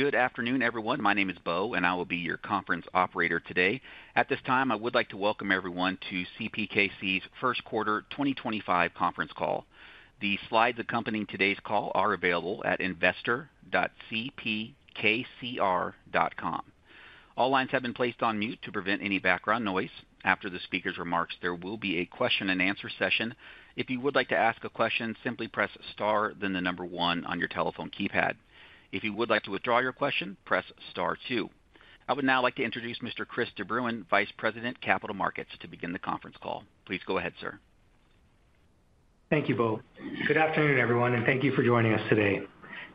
Good afternoon, everyone. My name is Bo, and I will be your conference operator today. At this time, I would like to welcome everyone to CPKC's first quarter 2025 conference call. The slides accompanying today's call are available at investor.cpkcr.com. All lines have been placed on mute to prevent any background noise. After the speaker's remarks, there will be a question-and-answer session. If you would like to ask a question, simply press star, then the number one on your telephone keypad. If you would like to withdraw your question, press star two. I would now like to introduce Mr. Chris de Bruyn, Vice President, Capital Markets, to begin the conference call. Please go ahead, sir. Thank you, Bo. Good afternoon, everyone, and thank you for joining us today.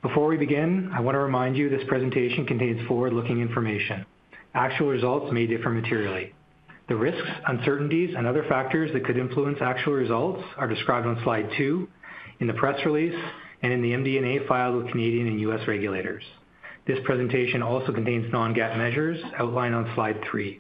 Before we begin, I want to remind you this presentation contains forward-looking information. Actual results may differ materially. The risks, uncertainties, and other factors that could influence actual results are described on slide two in the press release and in the MD&A file with Canadian and U.S. regulators. This presentation also contains non-GAAP measures outlined on slide three.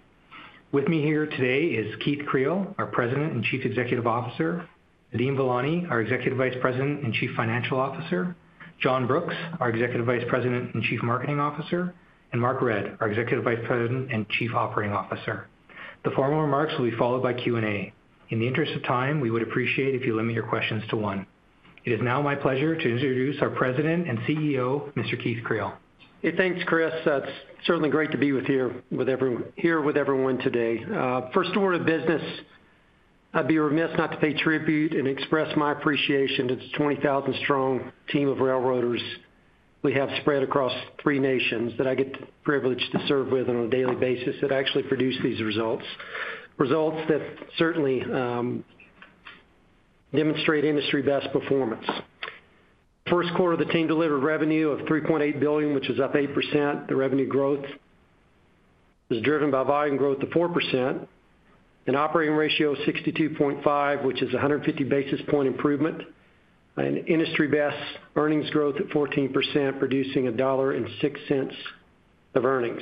With me here today is Keith Creel, our President and Chief Executive Officer; Nadeem Velani, our Executive Vice President and Chief Financial Officer; John Brooks, our Executive Vice President and Chief Marketing Officer; and Mark Redd, our Executive Vice President and Chief Operating Officer. The formal remarks will be followed by Q&A. In the interest of time, we would appreciate it if you limit your questions to one. It is now my pleasure to introduce our President and CEO, Mr. Keith Creel. Hey, thanks, Chris. It's certainly great to be here with everyone today. First order of business, I'd be remiss not to pay tribute and express my appreciation to the 20,000-strong team of railroaders we have spread across three nations that I get the privilege to serve with on a daily basis that actually produce these results. Results that certainly demonstrate industry-best performance. First quarter, the team delivered revenue of $3.8 billion, which is up 8%. The revenue growth was driven by volume growth of 4%, an operating ratio of 62.5, which is a 150 basis point improvement, and industry-best earnings growth at 14%, producing $1.06 of earnings.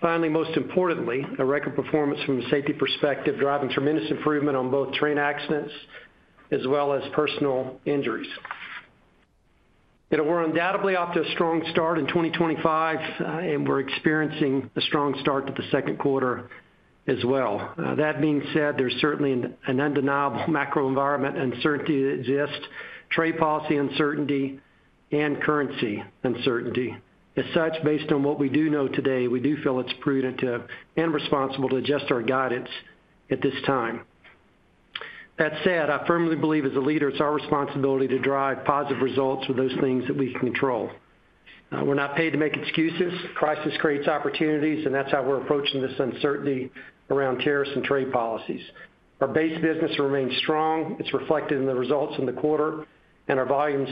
Finally, most importantly, a record performance from a safety perspective, driving tremendous improvement on both train accidents as well as personal injuries. You know, we're undoubtedly off to a strong start in 2025, and we're experiencing a strong start to the second quarter as well. That being said, there's certainly an undeniable macro environment uncertainty that exists: trade policy uncertainty and currency uncertainty. As such, based on what we do know today, we do feel it's prudent and responsible to adjust our guidance at this time. That said, I firmly believe, as a leader, it's our responsibility to drive positive results with those things that we can control. We're not paid to make excuses. Crisis creates opportunities, and that's how we're approaching this uncertainty around tariffs and trade policies. Our base business remains strong. It's reflected in the results in the quarter, and our volumes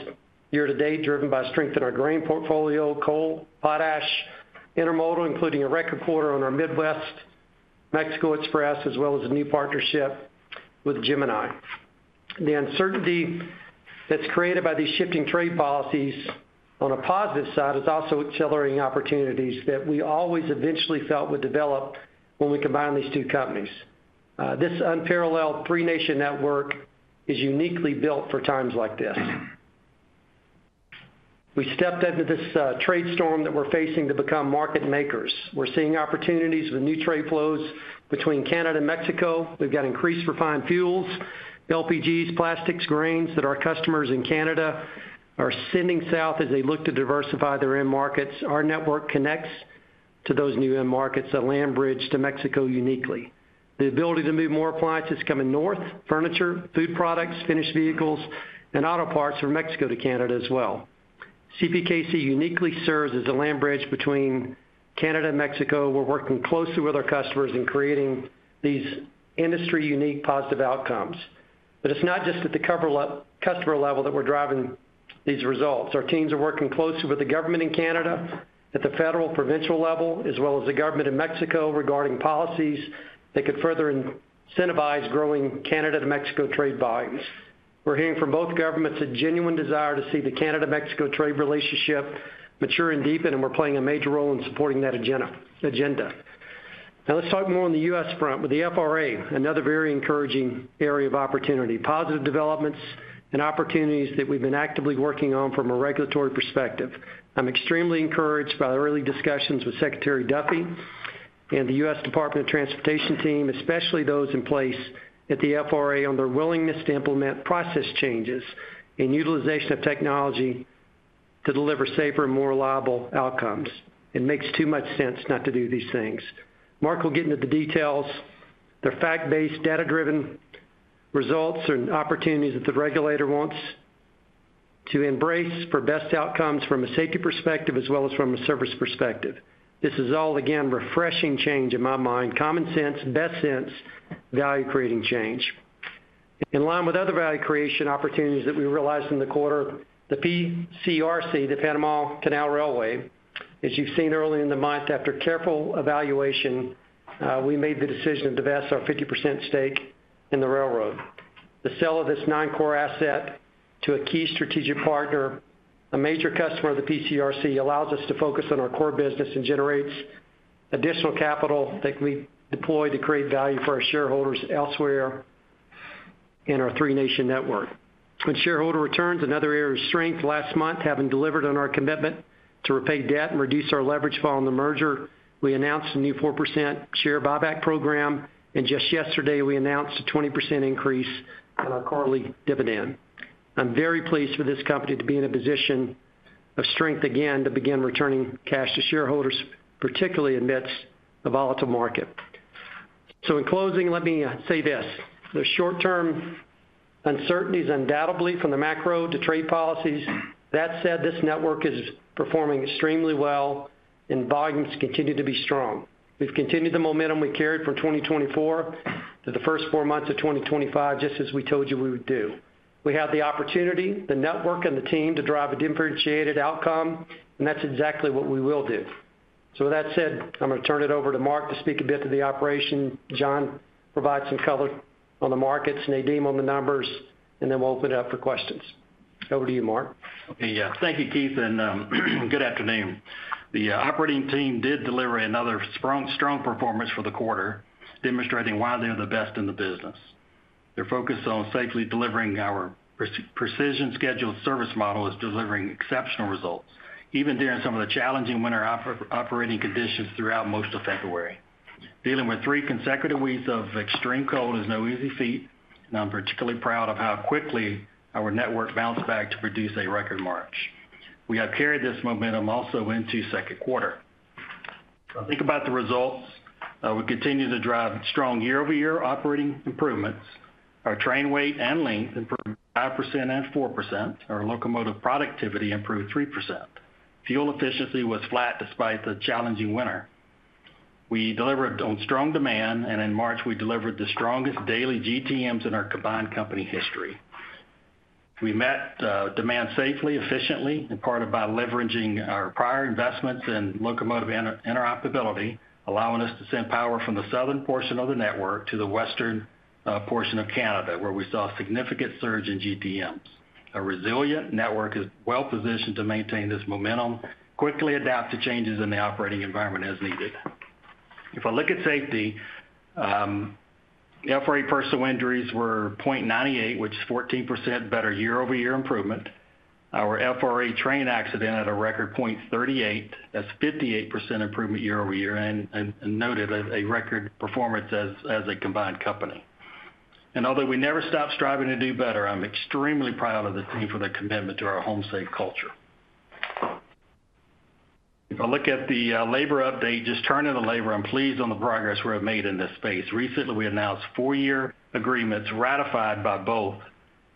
year to date are driven by strength in our grain portfolio: coal, potash, intermodal, including a record quarter on our Midwest Mexico Express, as well as a new partnership with Gemini. The uncertainty that's created by these shifting trade policies, on a positive side, is also accelerating opportunities that we always eventually felt would develop when we combined these two companies. This unparalleled three-nation network is uniquely built for times like this. We stepped into this trade storm that we're facing to become market makers. We're seeing opportunities with new trade flows between Canada and Mexico. We've got increased refined fuels, LPGs, plastics, grains that our customers in Canada are sending south as they look to diversify their end markets. Our network connects to those new end markets, a land bridge to Mexico uniquely. The ability to move more appliances is coming north: furniture, food products, finished vehicles, and auto parts from Mexico to Canada as well. CPKC uniquely serves as a land bridge between Canada and Mexico. We're working closely with our customers in creating these industry-unique positive outcomes. It is not just at the customer level that we're driving these results. Our teams are working closely with the government in Canada, at the federal and provincial level, as well as the government in Mexico regarding policies that could further incentivize growing Canada to Mexico trade volumes. We're hearing from both governments a genuine desire to see the Canada-Mexico trade relationship mature and deepen, and we're playing a major role in supporting that agenda. Now, let's talk more on the U.S. front, with the FRA, another very encouraging area of opportunity: positive developments and opportunities that we've been actively working on from a regulatory perspective. I'm extremely encouraged by the early discussions with Secretary Duffy and the U.S. Department of Transportation team, especially those in place at the FRA, on their willingness to implement process changes and utilization of technology to deliver safer and more reliable outcomes. It makes too much sense not to do these things. Mark will get into the details. They're fact-based, data-driven results and opportunities that the regulator wants to embrace for best outcomes from a safety perspective as well as from a service perspective. This is all, again, refreshing change in my mind: common sense, best sense, value-creating change. In line with other value creation opportunities that we realized in the quarter, the PCRC, the Panama Canal Railway, as you've seen early in the month, after careful evaluation, we made the decision to divest our 50% stake in the railroad. The sale of this nine-core asset to a key strategic partner, a major customer of the PCRC, allows us to focus on our core business and generates additional capital that can be deployed to create value for our shareholders elsewhere in our three-nation network. When shareholder returns, another area of strength: last month, having delivered on our commitment to repay debt and reduce our leverage following the merger, we announced a new 4% share buyback program, and just yesterday, we announced a 20% increase in our quarterly dividend. I'm very pleased for this company to be in a position of strength again to begin returning cash to shareholders, particularly amidst a volatile market. In closing, let me say this: there are short-term uncertainties, undoubtedly, from the macro to trade policies. That said, this network is performing extremely well, and volumes continue to be strong. We've continued the momentum we carried from 2024 to the first four months of 2025, just as we told you we would do. We have the opportunity, the network, and the team to drive a differentiated outcome, and that's exactly what we will do. With that said, I'm going to turn it over to Mark to speak a bit to the operation. John, provide some color on the markets, Nadeem on the numbers, and then we'll open it up for questions. Over to you, Mark. Okay, yeah. Thank you, Keith, and good afternoon. The operating team did deliver another strong performance for the quarter, demonstrating why they're the best in the business. Their focus on safely delivering our precision-scheduled service model is delivering exceptional results, even during some of the challenging winter operating conditions throughout most of February. Dealing with three consecutive weeks of extreme cold is no easy feat, and I'm particularly proud of how quickly our network bounced back to produce a record March. We have carried this momentum also into second quarter. Think about the results. We continue to drive strong year-over-year operating improvements. Our train weight and length improved 5% and 4%. Our locomotive productivity improved 3%. Fuel efficiency was flat despite the challenging winter. We delivered on strong demand, and in March, we delivered the strongest daily GTMs in our combined company history. We met demand safely, efficiently, in part by leveraging our prior investments in locomotive interoperability, allowing us to send power from the southern portion of the network to the western portion of Canada, where we saw a significant surge in GTMs. A resilient network is well-positioned to maintain this momentum, quickly adapt to changes in the operating environment as needed. If I look at safety, FRA personal injuries were 0.98, which is 14% better year-over-year improvement. Our FRA train accident had a record 0.38. That's 58% improvement year-over-year, and noted a record performance as a combined company. Although we never stopped striving to do better, I'm extremely proud of the team for their commitment to our home-safe culture. If I look at the labor update, just turning to labor, I'm pleased on the progress we have made in this space. Recently, we announced four-year agreements ratified by both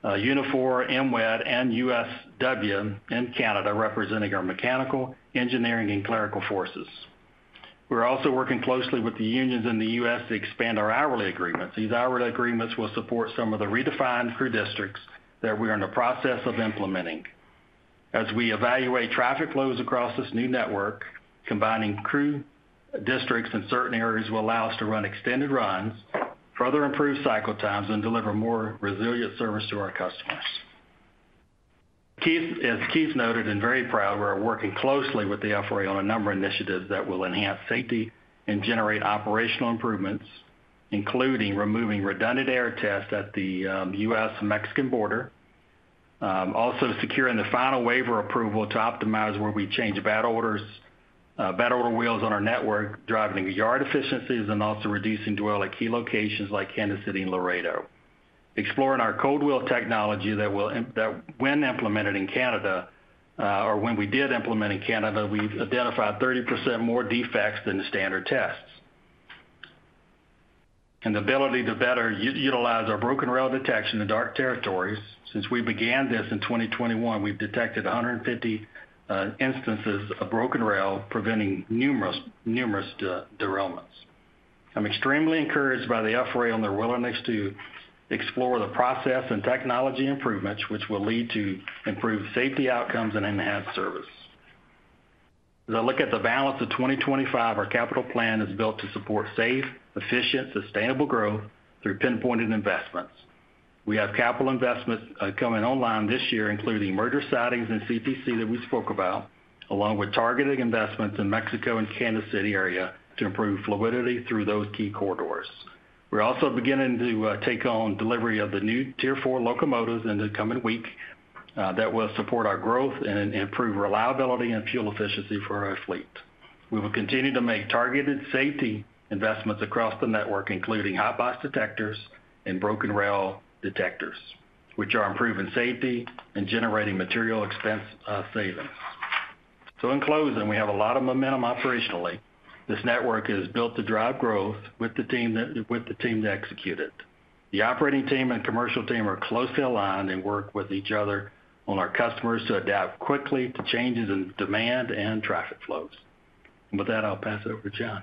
Unifor, MWED, and USW in Canada, representing our mechanical, engineering, and clerical forces. We're also working closely with the unions in the U.S. to expand our hourly agreements. These hourly agreements will support some of the redefined crew districts that we are in the process of implementing. As we evaluate traffic flows across this new network, combining crew districts in certain areas will allow us to run extended runs, further improve cycle times, and deliver more resilient service to our customers. Keith, as Keith noted, and very proud, we are working closely with the FRA on a number of initiatives that will enhance safety and generate operational improvements, including removing redundant air tests at the U.S.-Mexican border, also securing the final waiver approval to optimize where we change bat orders—bat order wheels on our network, driving yard efficiencies and also reducing dwell at key locations like Kansas City and Laredo, exploring our cold wheel technology that, when implemented in Canada—or when we did implement in Canada—we've identified 30% more defects than the standard tests, and the ability to better utilize our broken rail detection in dark territories. Since we began this in 2021, we've detected 150 instances of broken rail, preventing numerous derailments. I'm extremely encouraged by the FRA on their willingness to explore the process and technology improvements, which will lead to improved safety outcomes and enhanced service. As I look at the balance of 2025, our capital plan is built to support safe, efficient, sustainable growth through pinpointed investments. We have capital investments coming online this year, including merger sightings and CTC that we spoke about, along with targeted investments in Mexico and Kansas City area to improve fluidity through those key corridors. We're also beginning to take on delivery of the new Tier 4 locomotives in the coming week that will support our growth and improve reliability and fuel efficiency for our fleet. We will continue to make targeted safety investments across the network, including hotbox detectors and broken rail detectors, which are improving safety and generating material expense savings. In closing, we have a lot of momentum operationally. This network is built to drive growth with the team that executed it. The operating team and commercial team are closely aligned and work with each other on our customers to adapt quickly to changes in demand and traffic flows. With that, I'll pass it over to John.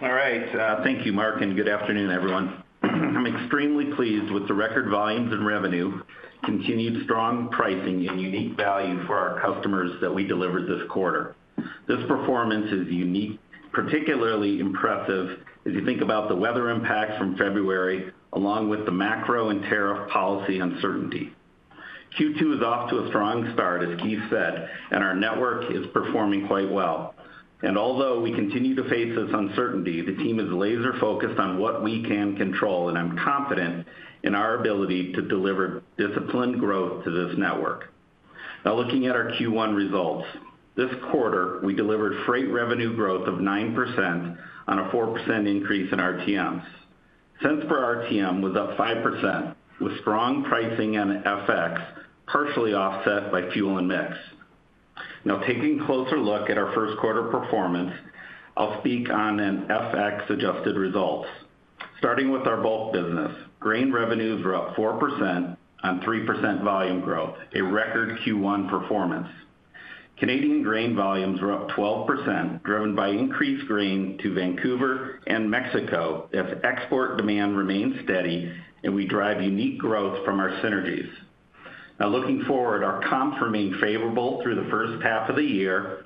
All right. Thank you, Mark, and good afternoon, everyone. I'm extremely pleased with the record volumes and revenue, continued strong pricing, and unique value for our customers that we delivered this quarter. This performance is unique, particularly impressive as you think about the weather impacts from February, along with the macro and tariff policy uncertainty. Q2 is off to a strong start, as Keith said, and our network is performing quite well. Although we continue to face this uncertainty, the team is laser-focused on what we can control, and I'm confident in our ability to deliver disciplined growth to this network. Now, looking at our Q1 results, this quarter, we delivered freight revenue growth of 9% on a 4% increase in RTMs. Cents for RTM was up 5%, with strong pricing and FX partially offset by fuel and mix. Now, taking a closer look at our first quarter performance, I'll speak on an FX-adjusted result. Starting with our bulk business, grain revenues were up 4% on 3% volume growth, a record Q1 performance. Canadian grain volumes were up 12%, driven by increased grain to Vancouver and Mexico if export demand remains steady and we drive unique growth from our synergies. Now, looking forward, our comps remain favorable through the first half of the year.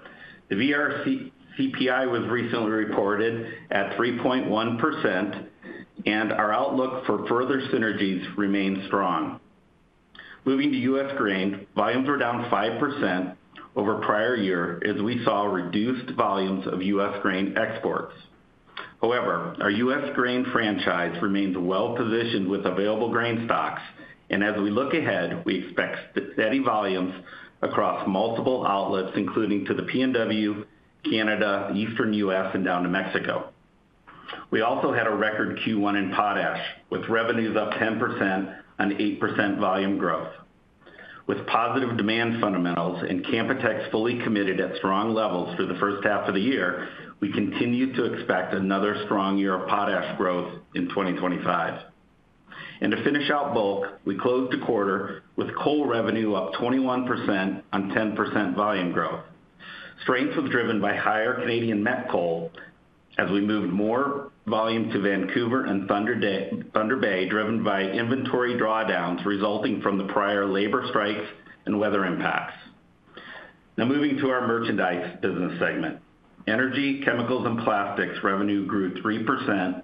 The VRCPI was recently reported at 3.1%, and our outlook for further synergies remains strong. Moving to U.S. grain, volumes were down 5% over prior year, as we saw reduced volumes of U.S. grain exports. However, our U.S. grain franchise remains well-positioned with available grain stocks, and as we look ahead, we expect steady volumes across multiple outlets, including to the PNW, Canada, Eastern U.S., and down to Mexico. We also had a record Q1 in potash, with revenues up 10% on 8% volume growth. With positive demand fundamentals and Canpotex fully committed at strong levels through the first half of the year, we continue to expect another strong year of potash growth in 2025. To finish out bulk, we closed the quarter with coal revenue up 21% on 10% volume growth. Strength was driven by higher Canadian met coal as we moved more volume to Vancouver and Thunder Bay, driven by inventory drawdowns resulting from the prior labor strikes and weather impacts. Now, moving to our merchandise business segment, energy, chemicals, and plastics revenue grew 3%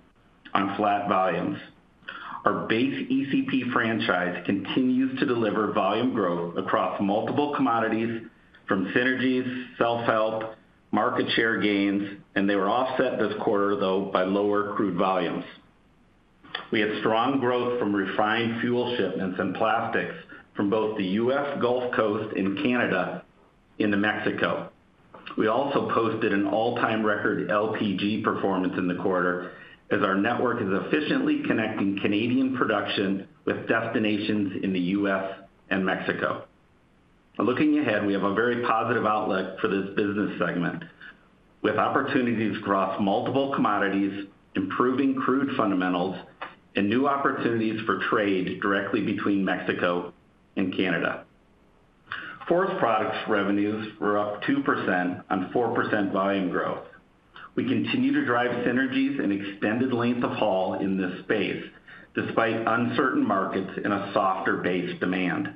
on flat volumes. Our base ECP franchise continues to deliver volume growth across multiple commodities from synergies, self-help, market share gains, and they were offset this quarter, though, by lower crude volumes. We had strong growth from refined fuel shipments and plastics from both the U.S. Gulf Coast and Canada into Mexico. We also posted an all-time record LPG performance in the quarter as our network is efficiently connecting Canadian production with destinations in the U.S. and Mexico. Looking ahead, we have a very positive outlook for this business segment, with opportunities across multiple commodities, improving crude fundamentals, and new opportunities for trade directly between Mexico and Canada. Forest products revenues were up 2% on 4% volume growth. We continue to drive synergies and extended length of haul in this space, despite uncertain markets and a softer base demand.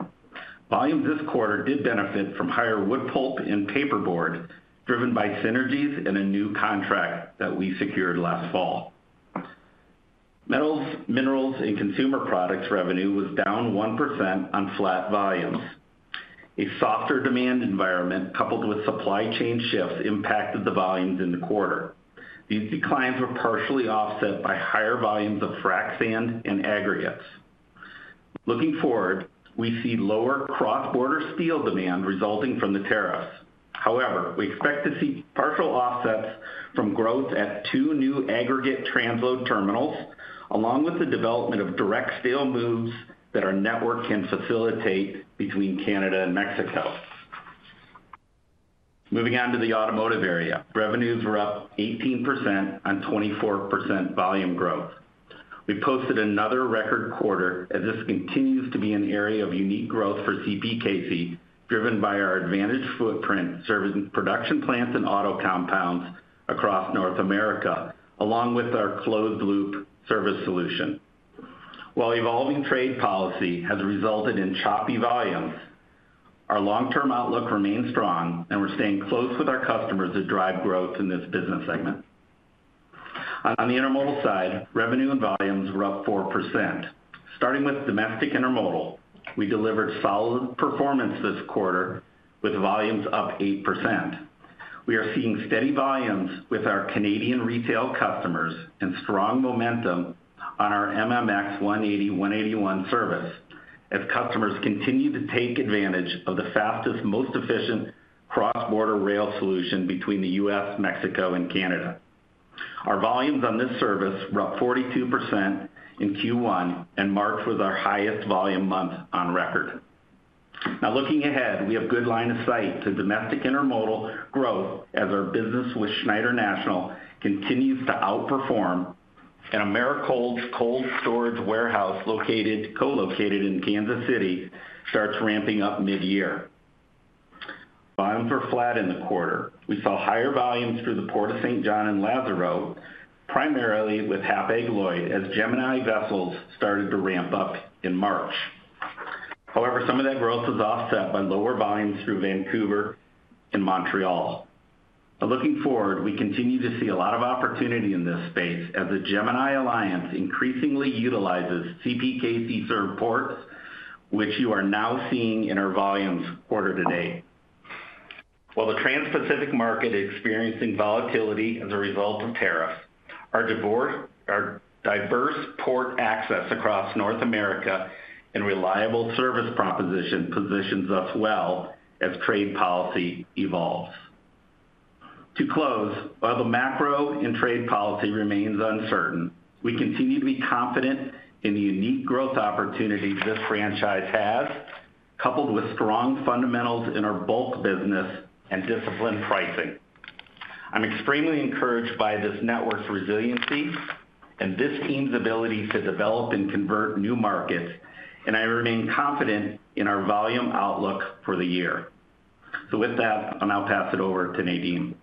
Volumes this quarter did benefit from higher wood pulp and paperboard, driven by synergies and a new contract that we secured last fall. Metals, minerals, and consumer products revenue was down 1% on flat volumes. A softer demand environment, coupled with supply chain shifts, impacted the volumes in the quarter. These declines were partially offset by higher volumes of frac sand and aggregates. Looking forward, we see lower cross-border steel demand resulting from the tariffs. However, we expect to see partial offsets from growth at two new aggregate transload terminals, along with the development of direct steel moves that our network can facilitate between Canada and Mexico. Moving on to the automotive area, revenues were up 18% on 24% volume growth. We posted another record quarter, as this continues to be an area of unique growth for CPKC, driven by our advantaged footprint serving production plants and auto compounds across North America, along with our closed-loop service solution. While evolving trade policy has resulted in choppy volumes, our long-term outlook remains strong, and we're staying close with our customers to drive growth in this business segment. On the intermodal side, revenue and volumes were up 4%. Starting with domestic intermodal, we delivered solid performance this quarter, with volumes up 8%. We are seeing steady volumes with our Canadian retail customers and strong momentum on our MMX 180/181 service, as customers continue to take advantage of the fastest, most efficient cross-border rail solution between the U.S., Mexico, and Canada. Our volumes on this service were up 42% in Q1 and marked with our highest volume month on record. Now, looking ahead, we have good line of sight to domestic intermodal growth, as our business with Schneider National continues to outperform, and Americold's cold storage warehouse co-located in Kansas City starts ramping up mid-year. Volumes were flat in the quarter. We saw higher volumes through the Port of St. John in Lazaro, primarily with Hapag-Lloyd, as Gemini vessels started to ramp up in March. However, some of that growth was offset by lower volumes through Vancouver and Montreal. Now, looking forward, we continue to see a lot of opportunity in this space, as the Gemini Alliance increasingly utilizes CPKC serve ports, which you are now seeing in our volumes quarter to date. While the Trans-Pacific market is experiencing volatility as a result of tariffs, our diverse port access across North America and reliable service proposition positions us well as trade policy evolves. To close, while the macro and trade policy remains uncertain, we continue to be confident in the unique growth opportunities this franchise has, coupled with strong fundamentals in our bulk business and disciplined pricing. I'm extremely encouraged by this network's resiliency and this team's ability to develop and convert new markets, and I remain confident in our volume outlook for the year. With that, I'll now pass it over to Nadeem.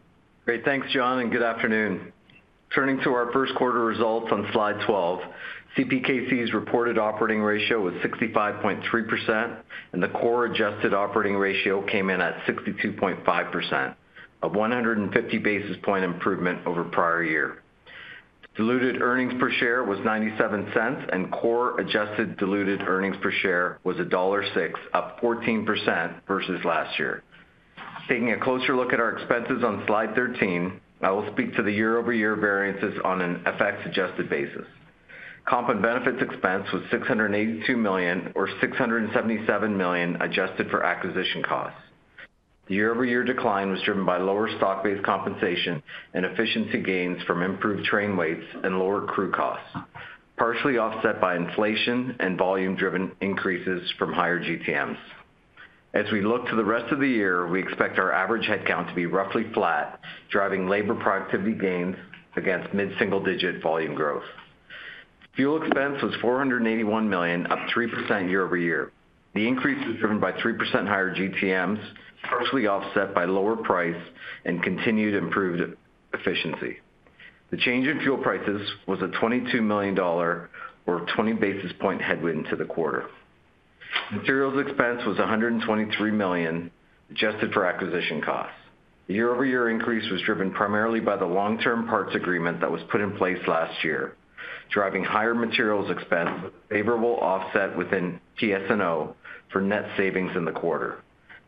Great. Thanks, John, and good afternoon. Turning to our first quarter results on slide 12, CPKC's reported operating ratio was 65.3%, and the core-adjusted operating ratio came in at 62.5%, a 150 basis point improvement over prior year. Diluted earnings per share was $0.97, and core-adjusted diluted earnings per share was $1.06, up 14% versus last year. Taking a closer look at our expenses on slide 13, I will speak to the year-over-year variances on an FX-adjusted basis. Comp and benefits expense was $682 million, or $677 million, adjusted for acquisition costs. The year-over-year decline was driven by lower stock-based compensation and efficiency gains from improved train weights and lower crew costs, partially offset by inflation and volume-driven increases from higher GTMs. As we look to the rest of the year, we expect our average headcount to be roughly flat, driving labor productivity gains against mid-single-digit volume growth. Fuel expense was $481 million, up 3% year-over-year. The increase was driven by 3% higher GTMs, partially offset by lower price and continued improved efficiency. The change in fuel prices was a $22 million, or 20 basis point headwind to the quarter. Materials expense was $123 million, adjusted for acquisition costs. The year-over-year increase was driven primarily by the long-term parts agreement that was put in place last year, driving higher materials expense with a favorable offset within PS&O for net savings in the quarter.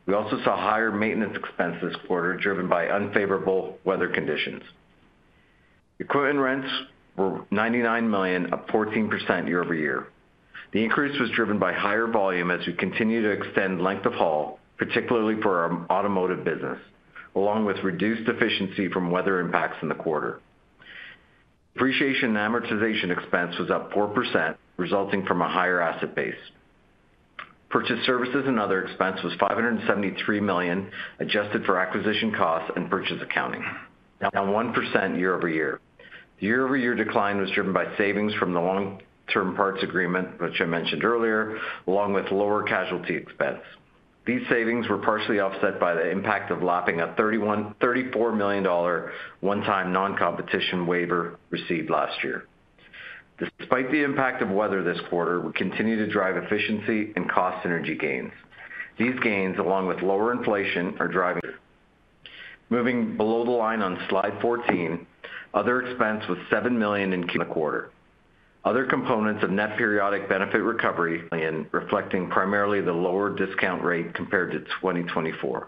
We also saw higher maintenance expenses this quarter, driven by unfavorable weather conditions. Equipment rents were $99 million, up 14% year-over-year. The increase was driven by higher volume as we continue to extend length of haul, particularly for our automotive business, along with reduced efficiency from weather impacts in the quarter. Depreciation and amortization expense was up 4%, resulting from a higher asset base. Purchase services and other expense was $573 million, adjusted for acquisition costs and purchase accounting, down 1% year-over-year. The year-over-year decline was driven by savings from the long-term parts agreement, which I mentioned earlier, along with lower casualty expense. These savings were partially offset by the impact of lapping a $34 million one-time non-competition waiver received last year. Despite the impact of weather this quarter, we continue to drive efficiency and cost synergy gains. These gains, along with lower inflation, are driving. Moving below the line on slide 14, other expense was $7 million in the quarter. Other components of net periodic benefit recovery reflecting primarily the lower discount rate compared to 2024.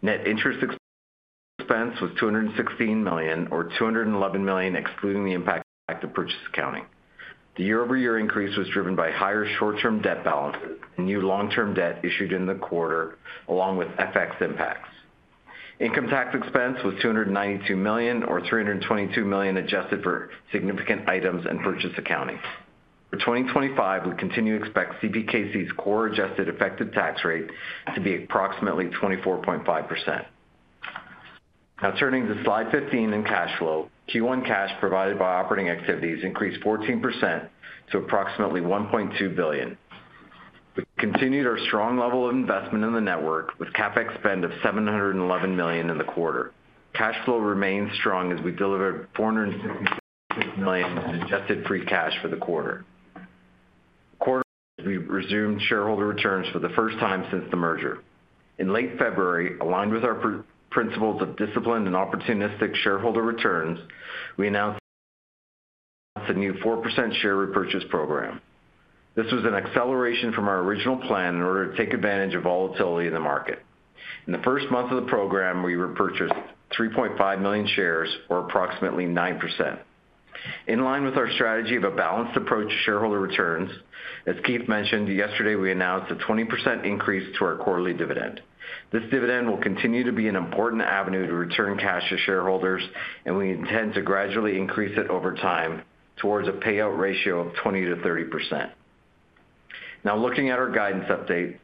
Net interest expense was $216 million, or $211 million excluding the impact of purchase accounting. The year-over-year increase was driven by higher short-term debt balances, new long-term debt issued in the quarter, along with FX impacts. Income tax expense was $292 million, or $322 million adjusted for significant items and purchase accounting. For 2025, we continue to expect CPKC's core-adjusted effective tax rate to be approximately 24.5%. Now, turning to slide 15 in cash flow, Q1 cash provided by operating activities increased 14% to approximately $1.2 billion. We continued our strong level of investment in the network, with CapEx spend of $711 million in the quarter. Cash flow remained strong as we delivered $466 million in adjusted free cash for the quarter. Quarterly, we resumed shareholder returns for the first time since the merger. In late February, aligned with our principles of disciplined and opportunistic shareholder returns, we announced a new 4% share repurchase program. This was an acceleration from our original plan in order to take advantage of volatility in the market. In the first month of the program, we repurchased 3.5 million shares, or approximately 9%. In line with our strategy of a balanced approach to shareholder returns, as Keith mentioned yesterday, we announced a 20% increase to our quarterly dividend. This dividend will continue to be an important avenue to return cash to shareholders, and we intend to gradually increase it over time towards a payout ratio of 20%-30%. Now, looking at our guidance update,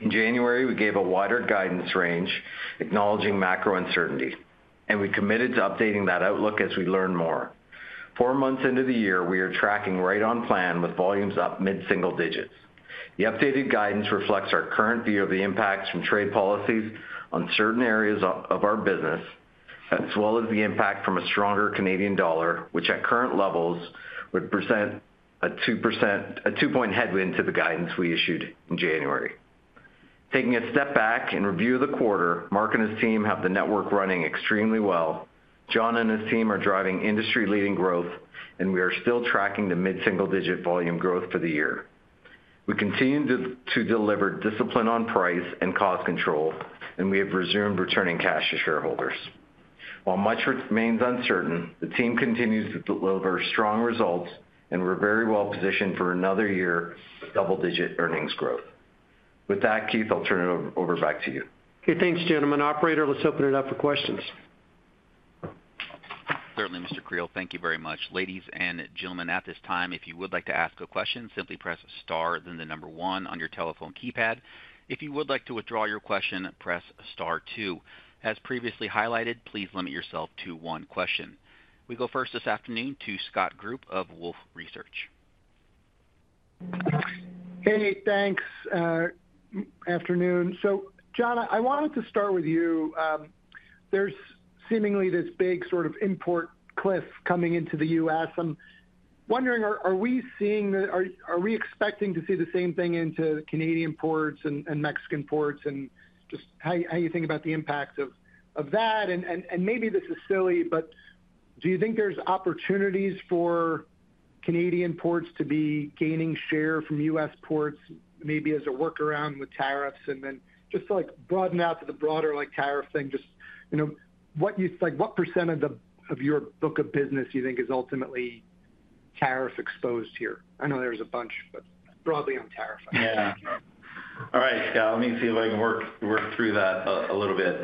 in January, we gave a wider guidance range, acknowledging macro uncertainty, and we committed to updating that outlook as we learn more. Four months into the year, we are tracking right on plan, with volumes up mid-single digits. The updated guidance reflects our current view of the impacts from trade policies on certain areas of our business, as well as the impact from a stronger Canadian dollar, which at current levels would present a 2%—a 2-point headwind to the guidance we issued in January. Taking a step back and review of the quarter, Mark and his team have the network running extremely well. John and his team are driving industry-leading growth, and we are still tracking the mid-single digit volume growth for the year. We continue to deliver discipline on price and cost control, and we have resumed returning cash to shareholders. While much remains uncertain, the team continues to deliver strong results, and we're very well positioned for another year of double-digit earnings growth. With that, Keith, I'll turn it over back to you. Okay. Thanks, gentlemen. Operator, let's open it up for questions. Certainly, Mr. Creel, thank you very much. Ladies and gentlemen, at this time, if you would like to ask a question, simply press star, then the number one on your telephone keypad. If you would like to withdraw your question, press star two. As previously highlighted, please limit yourself to one question. We go first this afternoon to Scott Group of Wolf Research. Hey, thanks. Afternoon. John, I wanted to start with you. There's seemingly this big sort of import cliff coming into the U.S. I'm wondering, are we seeing the, are we expecting to see the same thing into Canadian ports and Mexican ports? Just how you think about the impact of that? Maybe this is silly, but do you think there's opportunities for Canadian ports to be gaining share from U.S. ports, maybe as a workaround with tariffs? To broaden out to the broader, like, tariff thing, just, you know, what you, like, what percent of your book of business do you think is ultimately tariff-exposed here? I know there's a bunch, but broadly on tariff. Yeah. All right. Yeah. Let me see if I can work through that a little bit.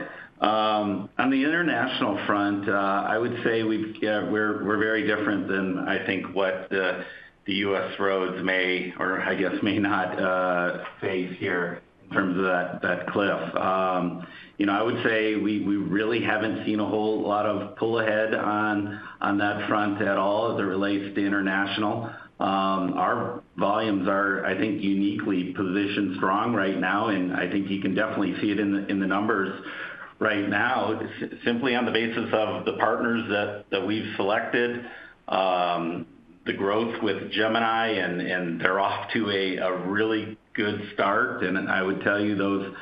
On the international front, I would say we're very different than, I think, what the U.S. roads may, or I guess may not face here in terms of that cliff. You know, I would say we really haven't seen a whole lot of pull ahead on that front at all as it relates to international. Our volumes are, I think, uniquely positioned strong right now, and I think you can definitely see it in the numbers right now. Simply on the basis of the partners that we've selected, the growth with Gemini, and they're off to a really good start. I would tell you those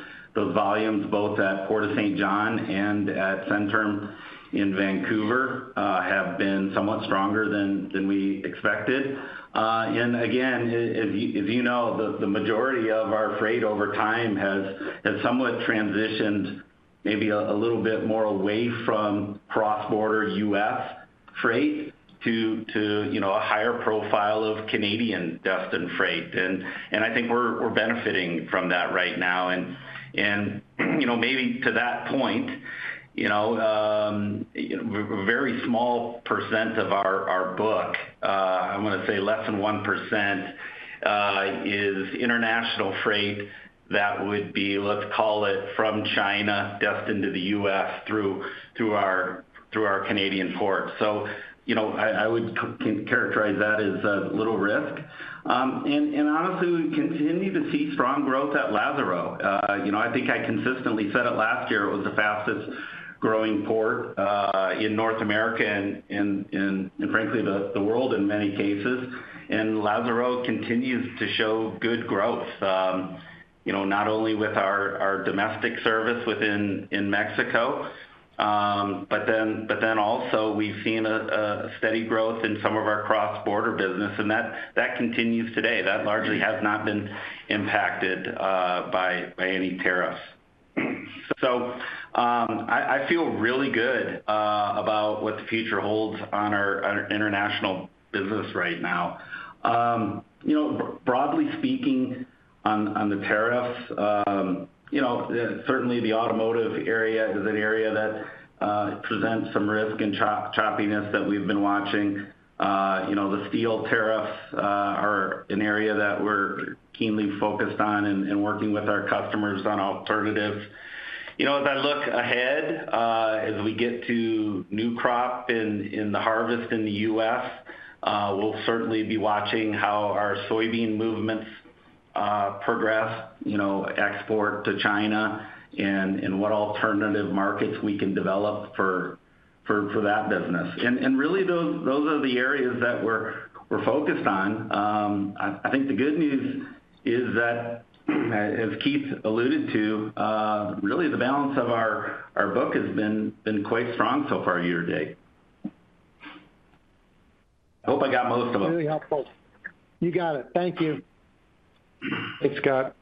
volumes, both at Port of St. John and at Centerm in Vancouver, have been somewhat stronger than we expected. As you know, the majority of our freight over time has somewhat transitioned maybe a little bit more away from cross-border U.S. freight to, you know, a higher profile of Canadian destined freight. I think we're benefiting from that right now. Maybe to that point, you know, a very small percent of our book, I'm going to say less than 1%, is international freight that would be, let's call it, from China destined to the U.S. through our Canadian ports. I would characterize that as a little risk. Honestly, we continue to see strong growth at Lazaro. I think I consistently said it last year, it was the fastest growing port in North America and, frankly, the world in many cases. Lazaro continues to show good growth, you know, not only with our domestic service within Mexico, but then also we've seen a steady growth in some of our cross-border business. That continues today. That largely has not been impacted by any tariffs. I feel really good about what the future holds on our international business right now. You know, broadly speaking, on the tariffs, you know, certainly the automotive area is an area that presents some risk and choppiness that we've been watching. The steel tariffs are an area that we're keenly focused on and working with our customers on alternatives. As I look ahead, as we get to new crop in the harvest in the U.S., we'll certainly be watching how our soybean movements progress, you know, export to China and what alternative markets we can develop for that business. Those are the areas that we're focused on. I think the good news is that, as Keith alluded to, really the balance of our book has been quite strong so far year to date. I hope I got most of them. Really helpful. You got it. Thank you. Thanks, Scott.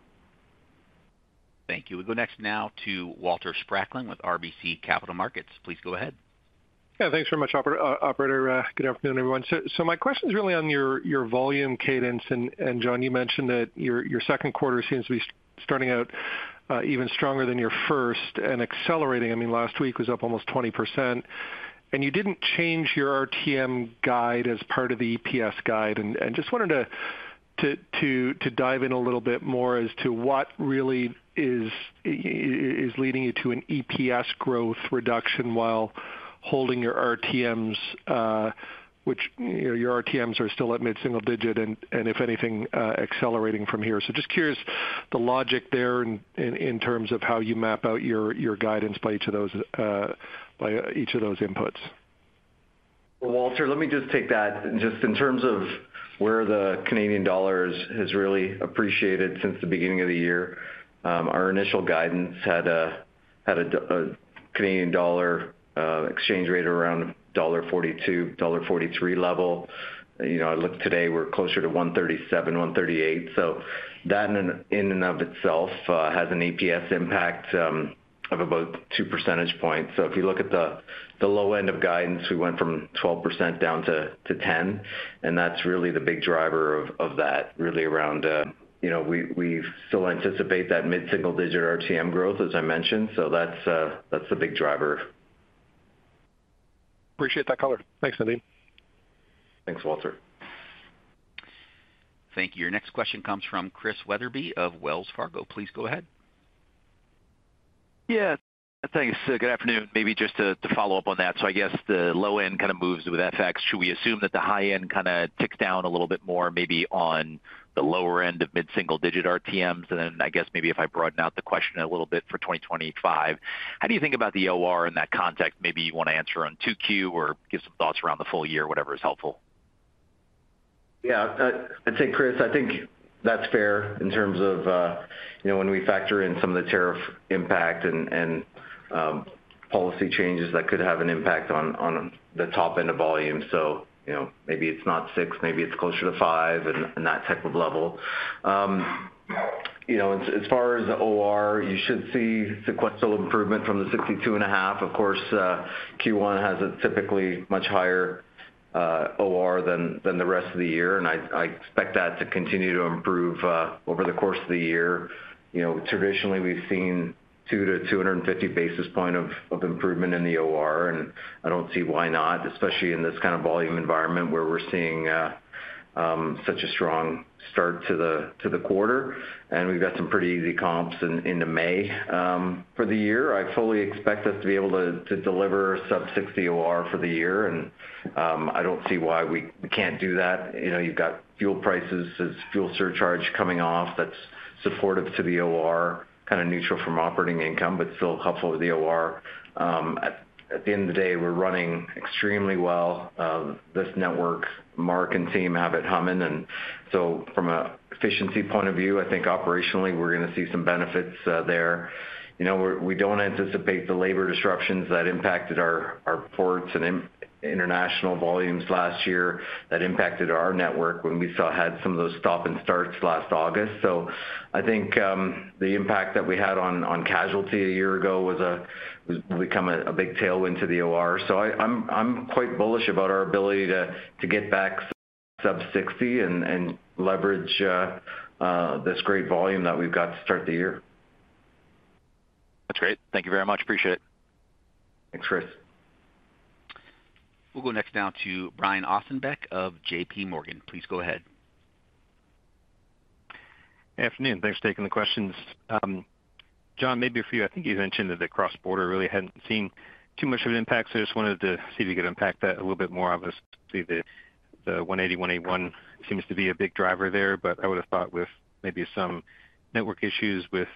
Thank you. We go next now to Walter Spracklin with RBC Capital Markets. Please go ahead. Yeah. Thanks very much, Operator. Good afternoon, everyone. My question is really on your volume cadence. John, you mentioned that your second quarter seems to be starting out even stronger than your first and accelerating. I mean, last week was up almost 20%. You did not change your RTM guide as part of the EPS guide. I just wanted to dive in a little bit more as to what really is leading you to an EPS growth reduction while holding your RTMs, which your RTMs are still at mid-single digit and, if anything, accelerating from here. Just curious the logic there in terms of how you map out your guidance by each of those inputs. Walter, let me just take that. Just in terms of where the Canadian dollar has really appreciated since the beginning of the year, our initial guidance had a Canadian dollar exchange rate around $1.42-$1.43. You know, I looked today, we're closer to $1.37-$1.38. That in and of itself has an EPS impact of about 2 percentage points. If you look at the low end of guidance, we went from 12% down to 10%. That is really the big driver of that, really around. You know, we still anticipate that mid-single digit RTM growth, as I mentioned. That is the big driver. Appreciate that, Color. Thanks, Nadeem. Thanks, Walter. Thank you. Your next question comes from Chris Wetherbee of Wells Fargo. Please go ahead. Yeah. Thanks. Good afternoon. Maybe just to follow up on that. I guess the low end kind of moves with FX. Should we assume that the high end kind of ticks down a little bit more, maybe on the lower end of mid-single digit RTMs? I guess maybe if I broaden out the question a little bit for 2025, how do you think about the OR in that context? Maybe you want to answer on 2Q or give some thoughts around the full year, whatever is helpful. Yeah. I'd say, Chris, I think that's fair in terms of, you know, when we factor in some of the tariff impact and policy changes that could have an impact on the top end of volume. You know, maybe it's not six, maybe it's closer to five and that type of level. As far as the OR, you should see sequential improvement from the 62.5%. Of course, Q1 has a typically much higher OR than the rest of the year. I expect that to continue to improve over the course of the year. Traditionally, we've seen 200 to 250 basis points of improvement in the OR. I don't see why not, especially in this kind of volume environment where we're seeing such a strong start to the quarter. We've got some pretty easy comps into May for the year. I fully expect us to be able to deliver sub-60% OR for the year. I don't see why we can't do that. You know, you've got fuel prices, fuel surcharge coming off that's supportive to the OR, kind of neutral from operating income, but still helpful to the OR. At the end of the day, we're running extremely well. This network, Mark and team have at Humming. From an efficiency point of view, I think operationally we're going to see some benefits there. You know, we don't anticipate the labor disruptions that impacted our ports and international volumes last year that impacted our network when we still had some of those stop and starts last August. I think the impact that we had on casualty a year ago has become a big tailwind to the OR. I'm quite bullish about our ability to get back sub-60% and leverage this great volume that we've got to start the year. That's great. Thank you very much. Appreciate it. Thanks, Chris. We'll go next now to Brian Ossenbeck of JPMorgan. Please go ahead. Good afternoon. Thanks for taking the questions. John, maybe a few. I think you mentioned that the cross-border really had not seen too much of an impact. I just wanted to see if you could unpack that a little bit more. Obviously, the 180/181 seems to be a big driver there, but I would have thought with maybe some network issues with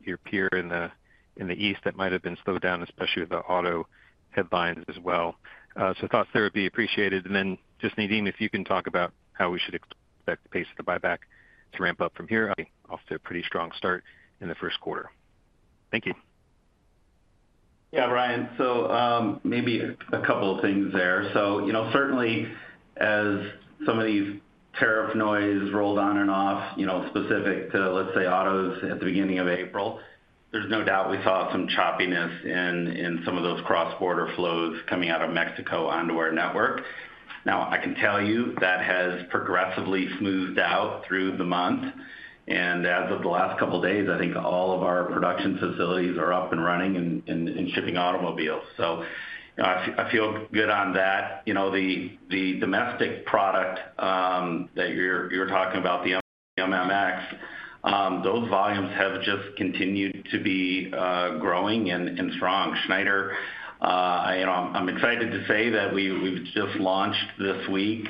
your peer in the east, that might have been slowed down, especially with the auto headlines as well. Thoughts there would be appreciated. Nadeem, if you can talk about how we should expect the pace of the buyback to ramp up from here, obviously a pretty strong start in the first quarter. Thank you. Yeah, Brian. Maybe a couple of things there. You know, certainly as some of these tariff noise rolled on and off, you know, specific to, let's say, autos at the beginning of April, there's no doubt we saw some choppiness in some of those cross-border flows coming out of Mexico onto our network. I can tell you that has progressively smoothed out through the month. As of the last couple of days, I think all of our production facilities are up and running and shipping automobiles. I feel good on that. You know, the domestic product that you're talking about, the MMX, those volumes have just continued to be growing and strong. Schneider, you know, I'm excited to say that we've just launched this week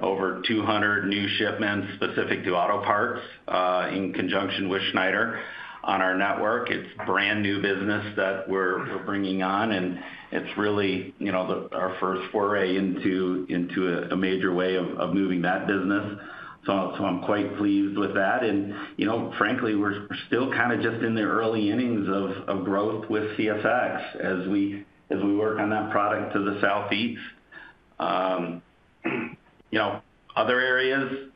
over 200 new shipments specific to auto parts in conjunction with Schneider on our network. It's brand new business that we're bringing on. It's really, you know, our first foray into a major way of moving that business. I'm quite pleased with that. You know, frankly, we're still kind of just in the early innings of growth with CSX as we work on that product to the southeast. You know, other areas,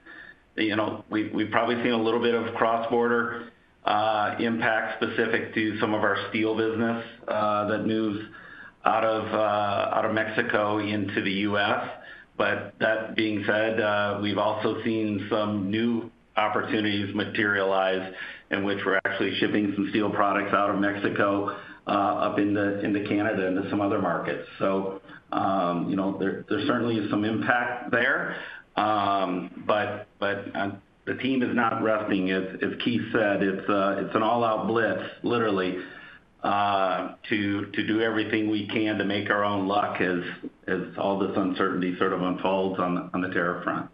we've probably seen a little bit of cross-border impact specific to some of our steel business that moves out of Mexico into the U.S. That being said, we've also seen some new opportunities materialize in which we're actually shipping some steel products out of Mexico up into Canada and to some other markets. You know, there certainly is some impact there. The team is not resting. As Keith said, it's an all-out blitz, literally, to do everything we can to make our own luck as all this uncertainty sort of unfolds on the tariff front.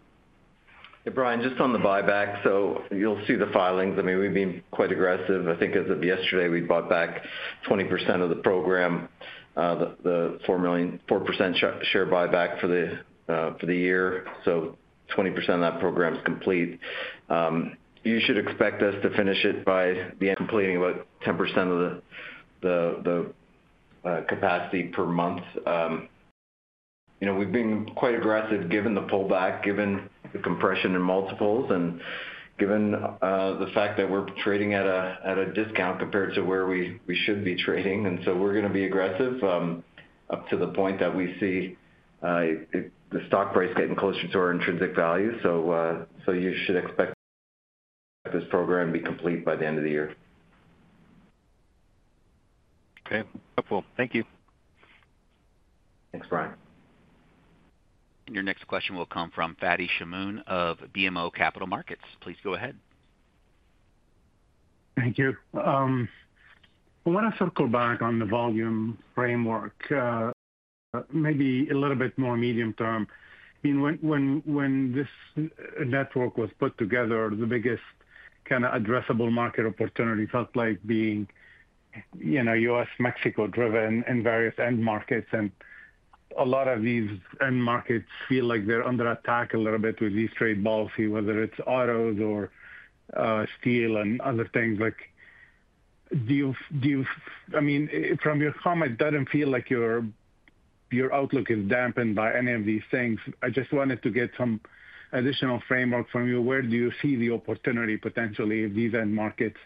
Yeah, Brian, just on the buyback, you'll see the filings. I mean, we've been quite aggressive. I think as of yesterday, we bought back 20% of the program, the 4% share buyback for the year. So 20% of that program is complete. You should expect us to finish it by the end, completing about 10% of the capacity per month. You know, we've been quite aggressive given the pullback, given the compression in multiples, and given the fact that we're trading at a discount compared to where we should be trading. We're going to be aggressive up to the point that we see the stock price getting closer to our intrinsic value. You should expect this program to be complete by the end of the year. Okay. Helpful. Thank you. Thanks, Brian. Your next question will come from Fadi Chamoun of BMO Capital Markets. Please go ahead. Thank you. I want to circle back on the volume framework, maybe a little bit more medium term. I mean, when this network was put together, the biggest kind of addressable market opportunity felt like being, you know, U.S., Mexico driven in various end markets. And a lot of these end markets feel like they're under attack a little bit with these trade policy, whether it's autos or steel and other things. Like, do you, I mean, from your comment, it doesn't feel like your outlook is dampened by any of these things. I just wanted to get some additional framework from you. Where do you see the opportunity potentially if these end markets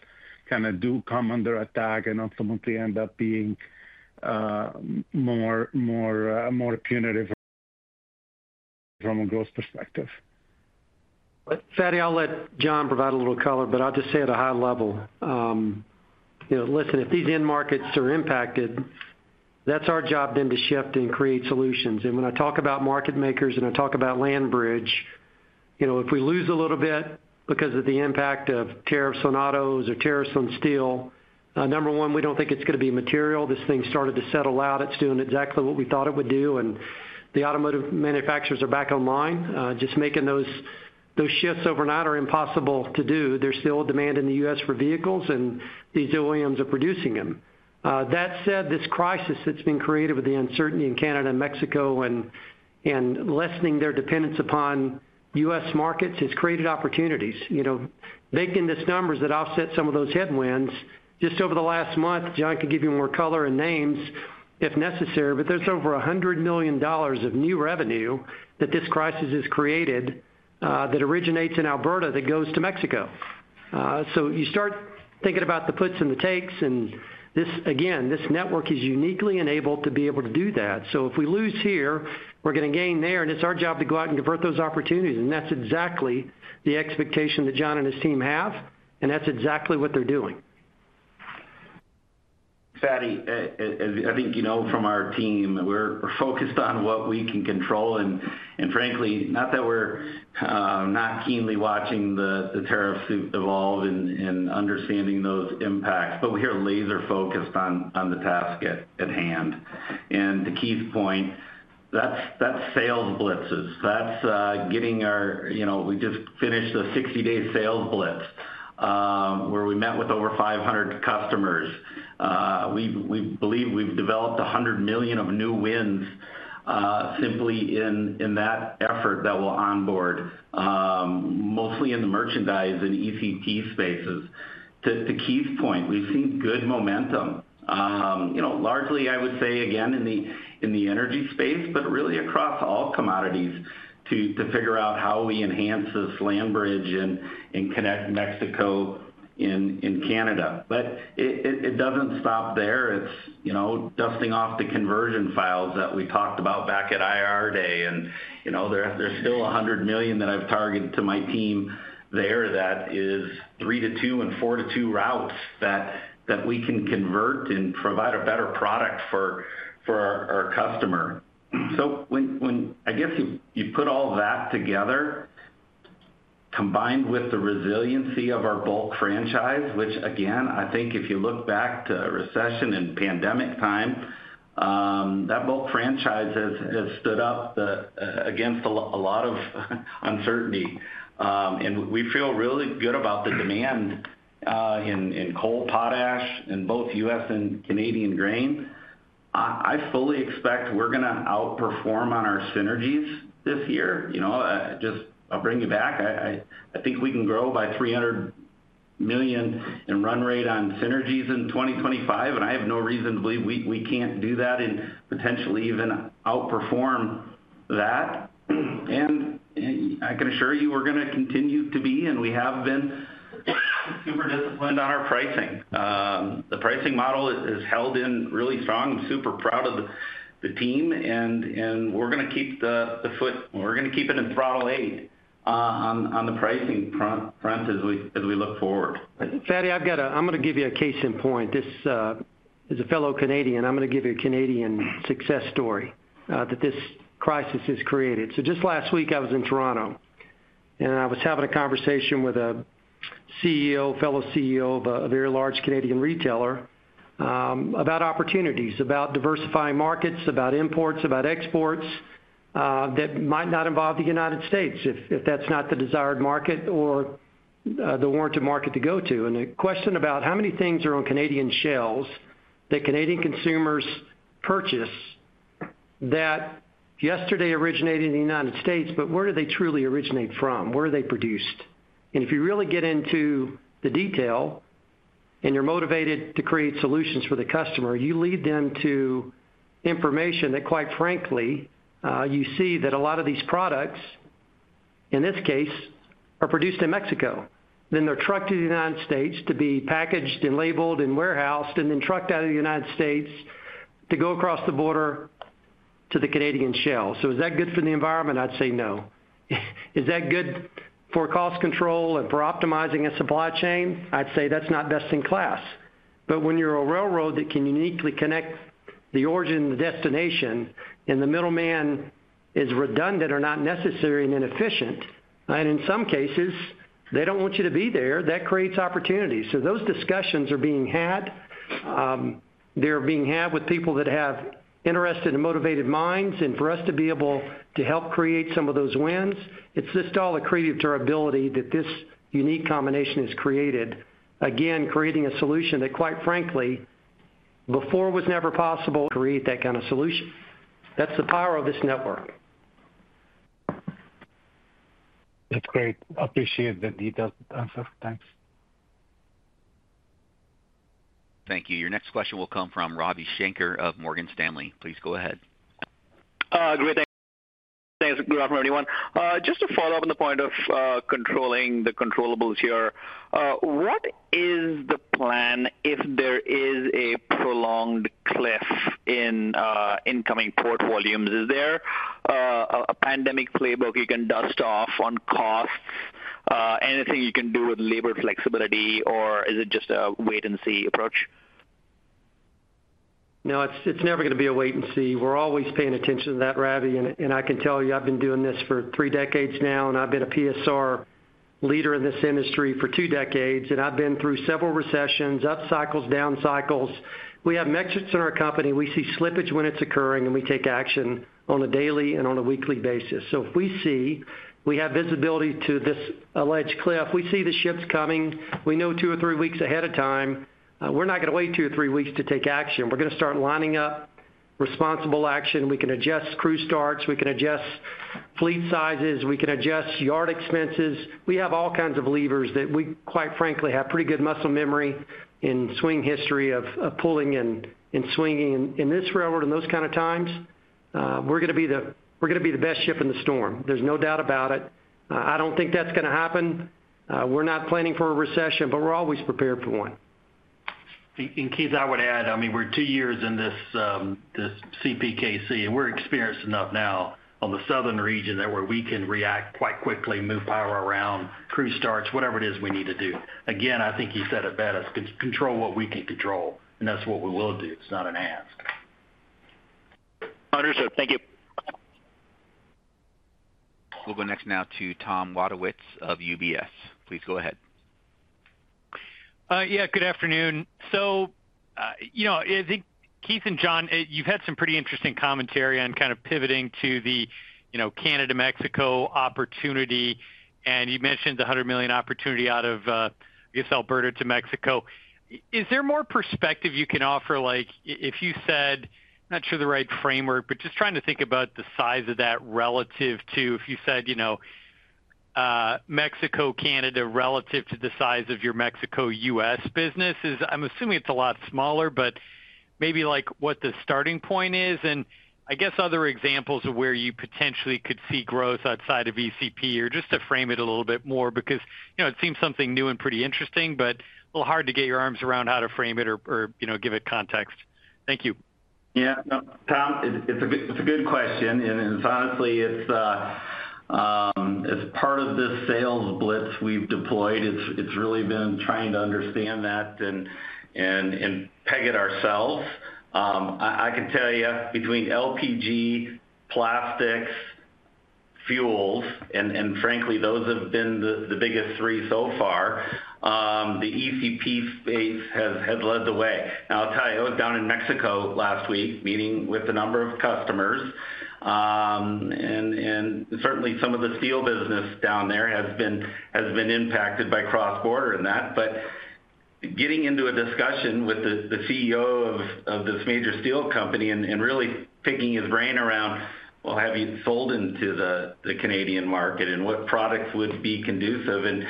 kind of do come under attack and ultimately end up being more punitive from a growth perspective? Fadi, I'll let John provide a little color, but I'll just say at a high level, you know, listen, if these end markets are impacted, that's our job then to shift and create solutions. When I talk about market makers and I talk about land bridge, you know, if we lose a little bit because of the impact of tariffs on autos or tariffs on steel, number one, we don't think it's going to be material. This thing started to settle out. It's doing exactly what we thought it would do. The automotive manufacturers are back online. Just making those shifts overnight are impossible to do. There's still demand in the U.S. for vehicles, and these OEMs are producing them. That said, this crisis that's been created with the uncertainty in Canada and Mexico and lessening their dependence upon U.S. markets has created opportunities. You know, baked in these numbers that offset some of those headwinds. Just over the last month, John can give you more color and names if necessary, but there is over $100 million of new revenue that this crisis has created that originates in Alberta that goes to Mexico. You start thinking about the puts and the takes. This network is uniquely enabled to be able to do that. If we lose here, we are going to gain there. It is our job to go out and convert those opportunities. That is exactly the expectation that John and his team have. That is exactly what they are doing. Fadi, I think, you know, from our team, we're focused on what we can control. Frankly, not that we're not keenly watching the tariffs evolve and understanding those impacts, but we are laser-focused on the task at hand. To Keith's point, that's sales blitzes. That's getting our, you know, we just finished the 60-day sales blitz where we met with over 500 customers. We believe we've developed $100 million of new wins simply in that effort that we'll onboard, mostly in the merchandise and ECP spaces. To Keith's point, we've seen good momentum. You know, largely, I would say, again, in the energy space, but really across all commodities to figure out how we enhance this land bridge and connect Mexico and Canada. It doesn't stop there. It's, you know, dusting off the conversion files that we talked about back at IR day. You know, there's still $100 million that I've targeted to my team there that is 3 to 2 and 4 to 2 routes that we can convert and provide a better product for our customer. When you put all that together, combined with the resiliency of our bulk franchise, which, again, I think if you look back to recession and pandemic time, that bulk franchise has stood up against a lot of uncertainty. We feel really good about the demand in coal, potash, and both U.S. and Canadian grain. I fully expect we're going to outperform on our synergies this year. I'll bring you back. I think we can grow by $300 million in run rate on synergies in 2025. I have no reason to believe we can't do that and potentially even outperform that. I can assure you we are going to continue to be, and we have been, super disciplined on our pricing. The pricing model is held in really strong. I am super proud of the team. We are going to keep the foot, we are going to keep it in throttle eight on the pricing front as we look forward. Fadi, I'm going to give you a case in point. This is a fellow Canadian. I'm going to give you a Canadian success story that this crisis has created. Just last week, I was in Toronto, and I was having a conversation with a CEO, fellow CEO of a very large Canadian retailer about opportunities, about diversifying markets, about imports, about exports that might not involve the United States if that's not the desired market or the warranted market to go to. The question about how many things are on Canadian shelves that Canadian consumers purchase that yesterday originated in the United States, but where do they truly originate from? Where are they produced? If you really get into the detail and you're motivated to create solutions for the customer, you lead them to information that, quite frankly, you see that a lot of these products, in this case, are produced in Mexico. They are trucked to the United States to be packaged and labeled and warehoused and then trucked out of the United States to go across the border to the Canadian shelves. Is that good for the environment? I'd say no. Is that good for cost control and for optimizing a supply chain? I'd say that's not best in class. When you're a railroad that can uniquely connect the origin and the destination and the middleman is redundant or not necessary and inefficient, and in some cases, they do not want you to be there, that creates opportunities. Those discussions are being had. They're being had with people that have interested and motivated minds. For us to be able to help create some of those wins, it's just all a creative durability that this unique combination has created, again, creating a solution that, quite frankly, before was never possible. Create that kind of solution. That's the power of this network. That's great. I appreciate the detailed answer. Thanks. Thank you. Your next question will come from Ravi Shanker of Morgan Stanley. Please go ahead. Great. Thanks, everyone. Just to follow up on the point of controlling the controllable here, what is the plan if there is a prolonged cliff in incoming port volumes? Is there a pandemic playbook you can dust off on costs, anything you can do with labor flexibility, or is it just a wait-and-see approach? No, it's never going to be a wait-and-see. We're always paying attention to that, Ravi. I can tell you, I've been doing this for three decades now, and I've been a PSR leader in this industry for two decades. I've been through several recessions, up cycles, down cycles. We have metrics in our company. We see slippage when it's occurring, and we take action on a daily and on a weekly basis. If we see we have visibility to this alleged cliff, we see the ships coming. We know two or three weeks ahead of time. We're not going to wait two or three weeks to take action. We're going to start lining up responsible action. We can adjust crew starts. We can adjust fleet sizes. We can adjust yard expenses. We have all kinds of levers that we, quite frankly, have pretty good muscle memory in swing history of pulling and swinging in this railroad in those kind of times. We're going to be the best ship in the storm. There's no doubt about it. I don't think that's going to happen. We're not planning for a recession, but we're always prepared for one. Keith, I would add, I mean, we're two years in this CPKC, and we're experienced enough now on the southern region that we can react quite quickly, move power around, crew starts, whatever it is we need to do. Again, I think you said it better. Control what we can control. And that's what we will do. It's not an ask. Understood. Thank you. We'll go next now to Tom Wadewitz of UBS. Please go ahead. Yeah, good afternoon. You know, I think Keith and John, you've had some pretty interesting commentary on kind of pivoting to the, you know, Canada-Mexico opportunity. You mentioned the $100 million opportunity out of, I guess, Alberta to Mexico. Is there more perspective you can offer? Like, if you said, I'm not sure the right framework, but just trying to think about the size of that relative to, if you said, you know, Mexico-Canada relative to the size of your Mexico-U.S. business, I'm assuming it's a lot smaller, but maybe like what the starting point is and I guess other examples of where you potentially could see growth outside of ECP or just to frame it a little bit more because, you know, it seems something new and pretty interesting, but a little hard to get your arms around how to frame it or, you know, give it context. Thank you. Yeah. Tom, it's a good question. Honestly, as part of this sales blitz we've deployed, it's really been trying to understand that and peg it ourselves. I can tell you between LPG, plastics, fuels, and frankly, those have been the biggest three so far, the ECP space has led the way. Now, I was down in Mexico last week meeting with a number of customers. Certainly some of the steel business down there has been impacted by cross-border in that. Getting into a discussion with the CEO of this major steel company and really picking his brain around, have you sold into the Canadian market and what products would be conducive?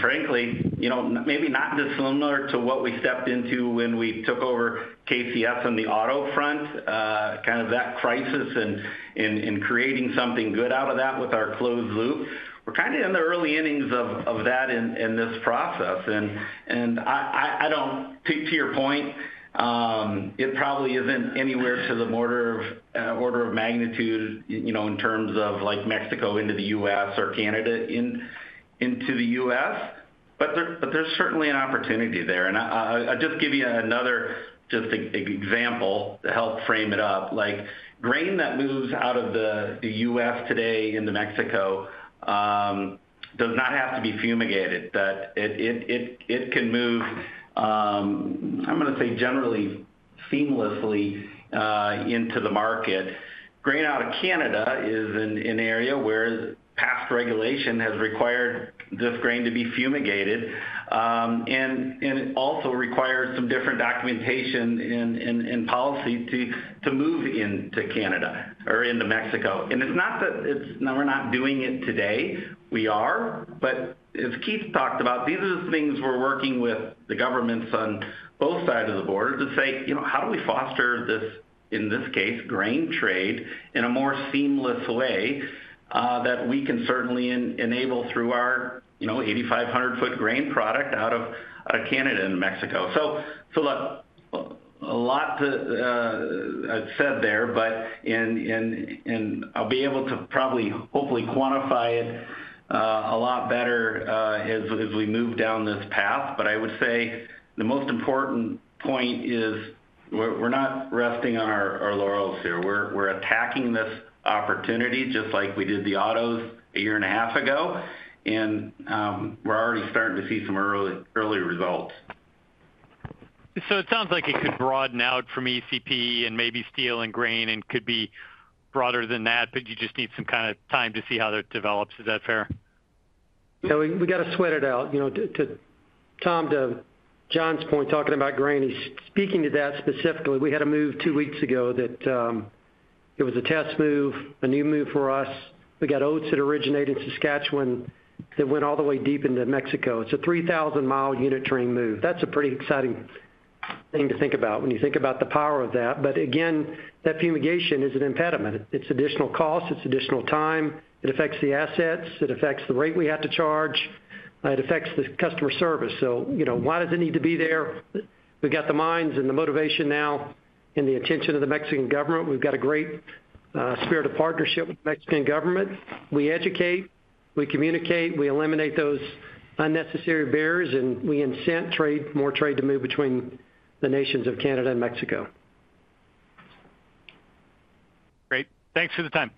Frankly, you know, maybe not dissimilar to what we stepped into when we took over KCS on the auto front, kind of that crisis and creating something good out of that with our closed loop. We're kind of in the early innings of that in this process. I don't, to your point, it probably isn't anywhere to the order of magnitude, you know, in terms of like Mexico into the U.S. or Canada into the U.S. There is certainly an opportunity there. I'll just give you another example to help frame it up. Like grain that moves out of the U.S. today into Mexico does not have to be fumigated. It can move, I'm going to say generally seamlessly into the market. Grain out of Canada is an area where past regulation has required this grain to be fumigated and also requires some different documentation and policy to move into Canada or into Mexico. It is not that we're not doing it today. We are. As Keith talked about, these are the things we're working with the governments on both sides of the border to say, you know, how do we foster this, in this case, grain trade in a more seamless way that we can certainly enable through our, you know, 8,500-foot grain product out of Canada and Mexico. Look, a lot to said there, but I'll be able to probably hopefully quantify it a lot better as we move down this path. I would say the most important point is we're not resting on our laurels here. We're attacking this opportunity just like we did the autos a year and a half ago. We're already starting to see some early results. It sounds like it could broaden out from ECP and maybe steel and grain and could be broader than that, but you just need some kind of time to see how that develops. Is that fair? Yeah. We got to sweat it out. You know, to Tom, to John's point, talking about grain, he's speaking to that specifically. We had a move two weeks ago that it was a test move, a new move for us. We got oats that originate in Saskatchewan that went all the way deep into Mexico. It's a 3,000 mi unit train move. That's a pretty exciting thing to think about when you think about the power of that. Again, that fumigation is an impediment. It's additional cost. It's additional time. It affects the assets. It affects the rate we have to charge. It affects the customer service. You know, why does it need to be there? We've got the minds and the motivation now and the attention of the Mexican government. We've got a great spirit of partnership with the Mexican government. We educate, we communicate, we eliminate those unnecessary barriers, and we incent more trade to move between the nations of Canada and Mexico. Great. Thanks for the time.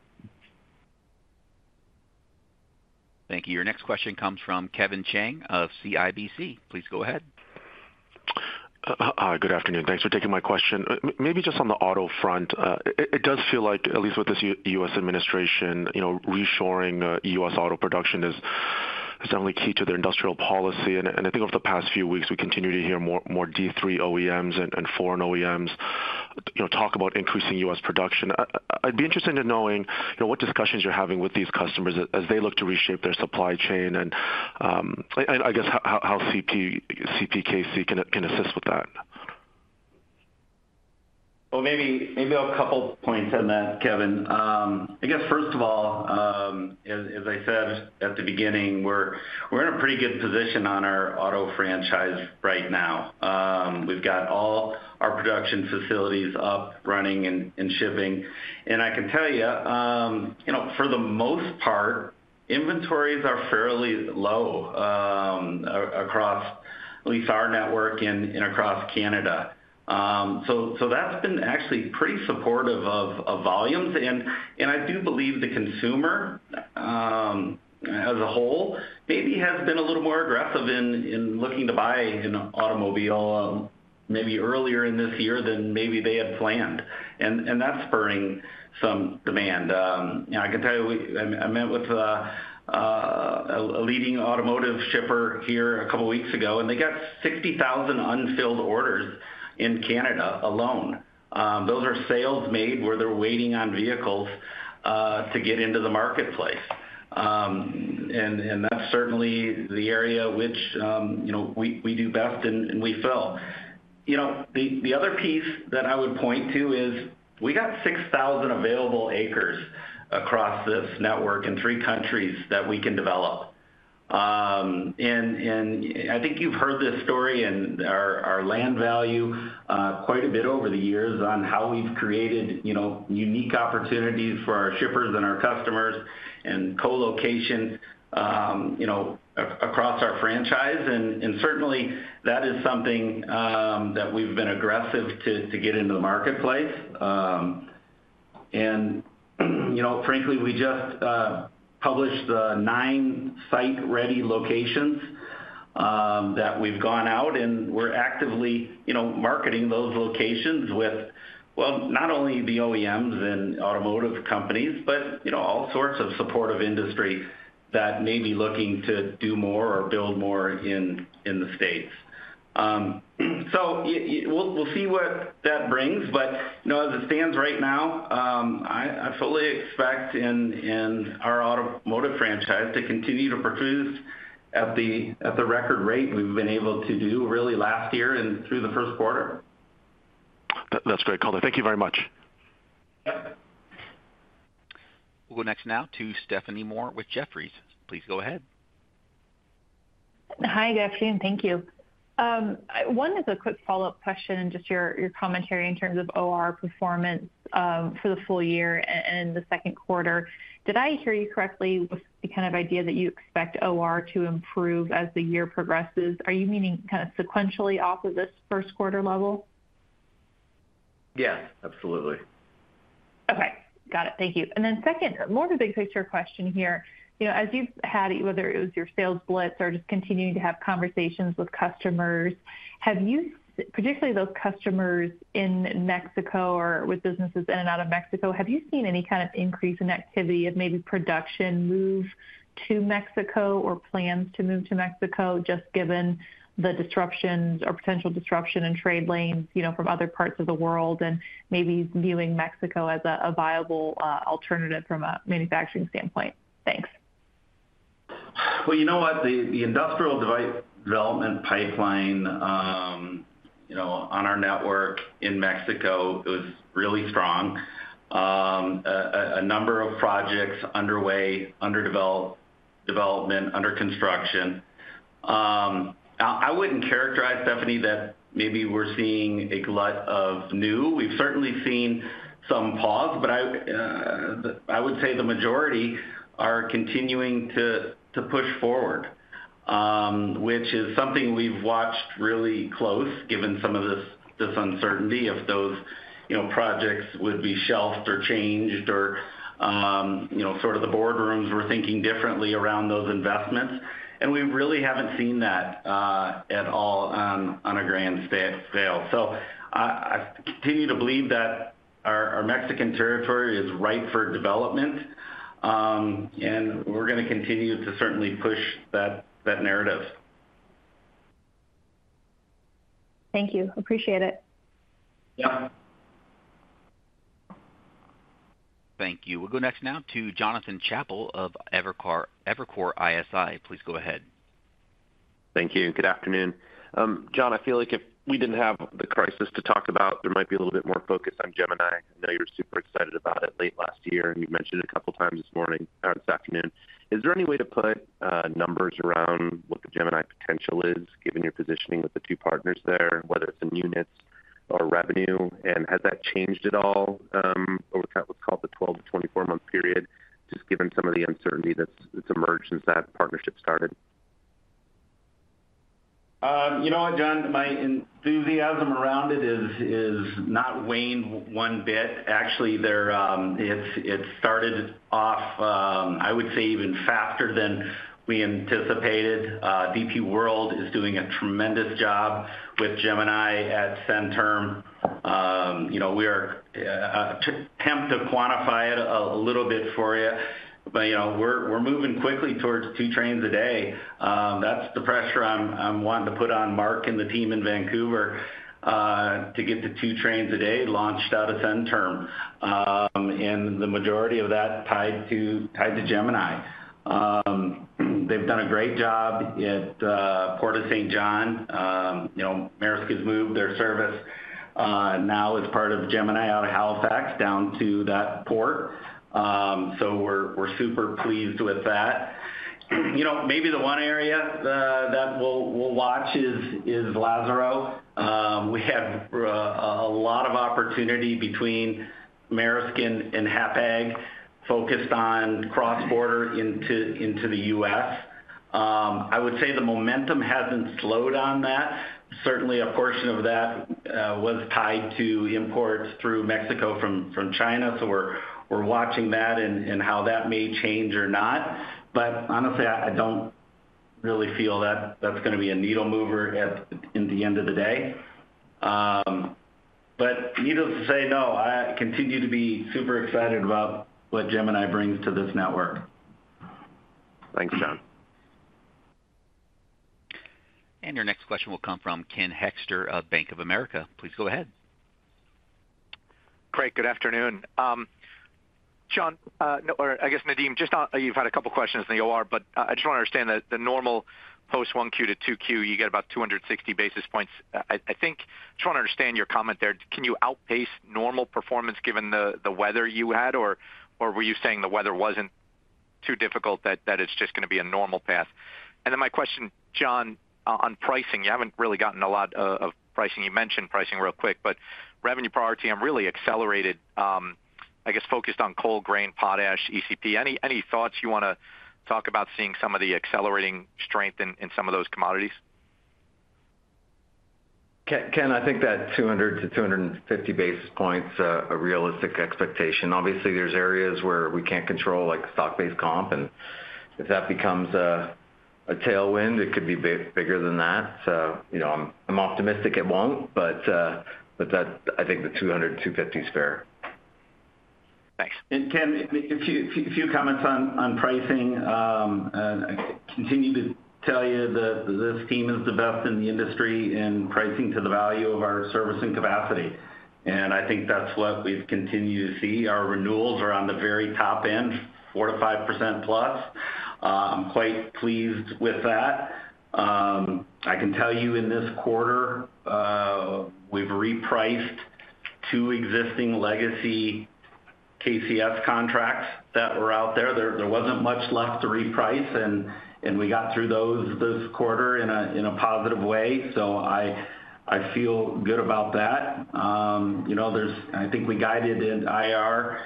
Thank you. Your next question comes from Kevin Chiang of CIBC. Please go ahead. Good afternoon. Thanks for taking my question. Maybe just on the auto front, it does feel like, at least with this U.S. administration, you know, reshoring U.S. auto production is definitely key to their industrial policy. I think over the past few weeks, we continue to hear more D3 OEMs and foreign OEMs, you know, talk about increasing U.S. production. I'd be interested in knowing, you know, what discussions you're having with these customers as they look to reshape their supply chain and, I guess, how CPKC can assist with that. Maybe a couple points on that, Kevin. I guess, first of all, as I said at the beginning, we're in a pretty good position on our auto franchise right now. We've got all our production facilities up, running, and shipping. I can tell you, you know, for the most part, inventories are fairly low across at least our network and across Canada. That has been actually pretty supportive of volumes. I do believe the consumer as a whole maybe has been a little more aggressive in looking to buy an automobile maybe earlier in this year than maybe they had planned. That is spurring some demand. I can tell you, I met with a leading automotive shipper here a couple of weeks ago, and they have 60,000 unfilled orders in Canada alone. Those are sales made where they're waiting on vehicles to get into the marketplace. That is certainly the area which, you know, we do best and we fill. You know, the other piece that I would point to is we got 6,000 available acres across this network in three countries that we can develop. I think you've heard this story and our land value quite a bit over the years on how we've created, you know, unique opportunities for our shippers and our customers and colocations, you know, across our franchise. Certainly, that is something that we've been aggressive to get into the marketplace. You know, frankly, we just published the nine site-ready locations that we've gone out, and we're actively, you know, marketing those locations with, well, not only the OEMs and automotive companies, but, you know, all sorts of supportive industry that may be looking to do more or build more in the States. You know, as it stands right now, I fully expect in our automotive franchise to continue to produce at the record rate we've been able to do really last year and through the first quarter. That's great color. Thank you very much. We'll go next now to Stephanie Moore with Jefferies. Please go ahead. Hi, good afternoon, and thank you. One is a quick follow-up question and just your commentary in terms of OR performance for the full year and the second quarter. Did I hear you correctly with the kind of idea that you expect OR to improve as the year progresses? Are you meaning kind of sequentially off of this first quarter level? Yes, absolutely. Okay. Got it. Thank you. Then, more of a big picture question here. You know, as you've had, whether it was your sales blitz or just continuing to have conversations with customers, have you, particularly those customers in Mexico or with businesses in and out of Mexico, have you seen any kind of increase in activity of maybe production move to Mexico or plans to move to Mexico just given the disruptions or potential disruption in trade lanes, you know, from other parts of the world and maybe viewing Mexico as a viable alternative from a manufacturing standpoint? Thanks. You know what? The industrial development pipeline, you know, on our network in Mexico, it was really strong. A number of projects underway, under development, under construction. I would not characterize, Stephanie, that maybe we are seeing a glut of new. We have certainly seen some pause, but I would say the majority are continuing to push forward, which is something we have watched really close given some of this uncertainty if those, you know, projects would be shelved or changed or, you know, sort of the boardrooms were thinking differently around those investments. We really have not seen that at all on a grand scale. I continue to believe that our Mexican territory is ripe for development, and we are going to continue to certainly push that narrative. Thank you. Appreciate it. Yep. Thank you. We'll go next now to Jonathan Chappell of Evercore ISI. Please go ahead. Thank you. Good afternoon. John, I feel like if we did not have the crisis to talk about, there might be a little bit more focus on Gemini. I know you were super excited about it late last year, and you mentioned it a couple of times this morning or this afternoon. Is there any way to put numbers around what the Gemini potential is given your positioning with the two partners there, whether it is in units or revenue? Has that changed at all over what is called the 12-24 month period, just given some of the uncertainty that has emerged since that partnership started? You know what, Jon? My enthusiasm around it has not waned one bit. Actually, it started off, I would say, even faster than we anticipated. DP World is doing a tremendous job with Gemini at Center. You know, we are tempted to quantify it a little bit for you, but, you know, we're moving quickly towards two trains a day. That's the pressure I'm wanting to put on Mark and the team in Vancouver to get the two trains a day launched out of Center, and the majority of that tied to Gemini. They've done a great job at Port of St. John. You know, Maersk has moved their service now as part of Gemini out of Halifax down to that port. We are super pleased with that. Maybe the one area that we'll watch is Lazaro. We have a lot of opportunity between Maersk and Hapag focused on cross-border into the U.S. I would say the momentum hasn't slowed on that. Certainly, a portion of that was tied to imports through Mexico from China. We are watching that and how that may change or not. Honestly, I don't really feel that that's going to be a needle mover at the end of the day. Needless to say, no, I continue to be super excited about what Gemini brings to this network. Thanks, John. Your next question will come from Ken Hoexter of Bank of America. Please go ahead. Great. Good afternoon. John, or I guess, Nadeem, just you've had a couple of questions in the OR, but I just want to understand the normal post-1Q to 2Q, you get about 260 basis points. I think I just want to understand your comment there. Can you outpace normal performance given the weather you had, or were you saying the weather was not too difficult that it is just going to be a normal path? My question, John, on pricing, you have not really gotten a lot of pricing. You mentioned pricing real quick, but revenue priority I am really accelerated, I guess, focused on coal, grain, potash, ECP. Any thoughts you want to talk about seeing some of the accelerating strength in some of those commodities? Ken, I think that 200-250 basis points is a realistic expectation. Obviously, there are areas where we cannot control, like stock-based comp, and if that becomes a tailwind, it could be bigger than that. You know, I am optimistic it will not, but I think the 200-250 is fair. Thanks. Ken, a few comments on pricing. I continue to tell you that this team is the best in the industry in pricing to the value of our service and capacity. I think that's what we've continued to see. Our renewals are on the very top end, 4%-5% plus. I'm quite pleased with that. I can tell you in this quarter, we've repriced two existing legacy KCS contracts that were out there. There wasn't much left to reprice, and we got through those this quarter in a positive way. I feel good about that. You know, I think we guided in IR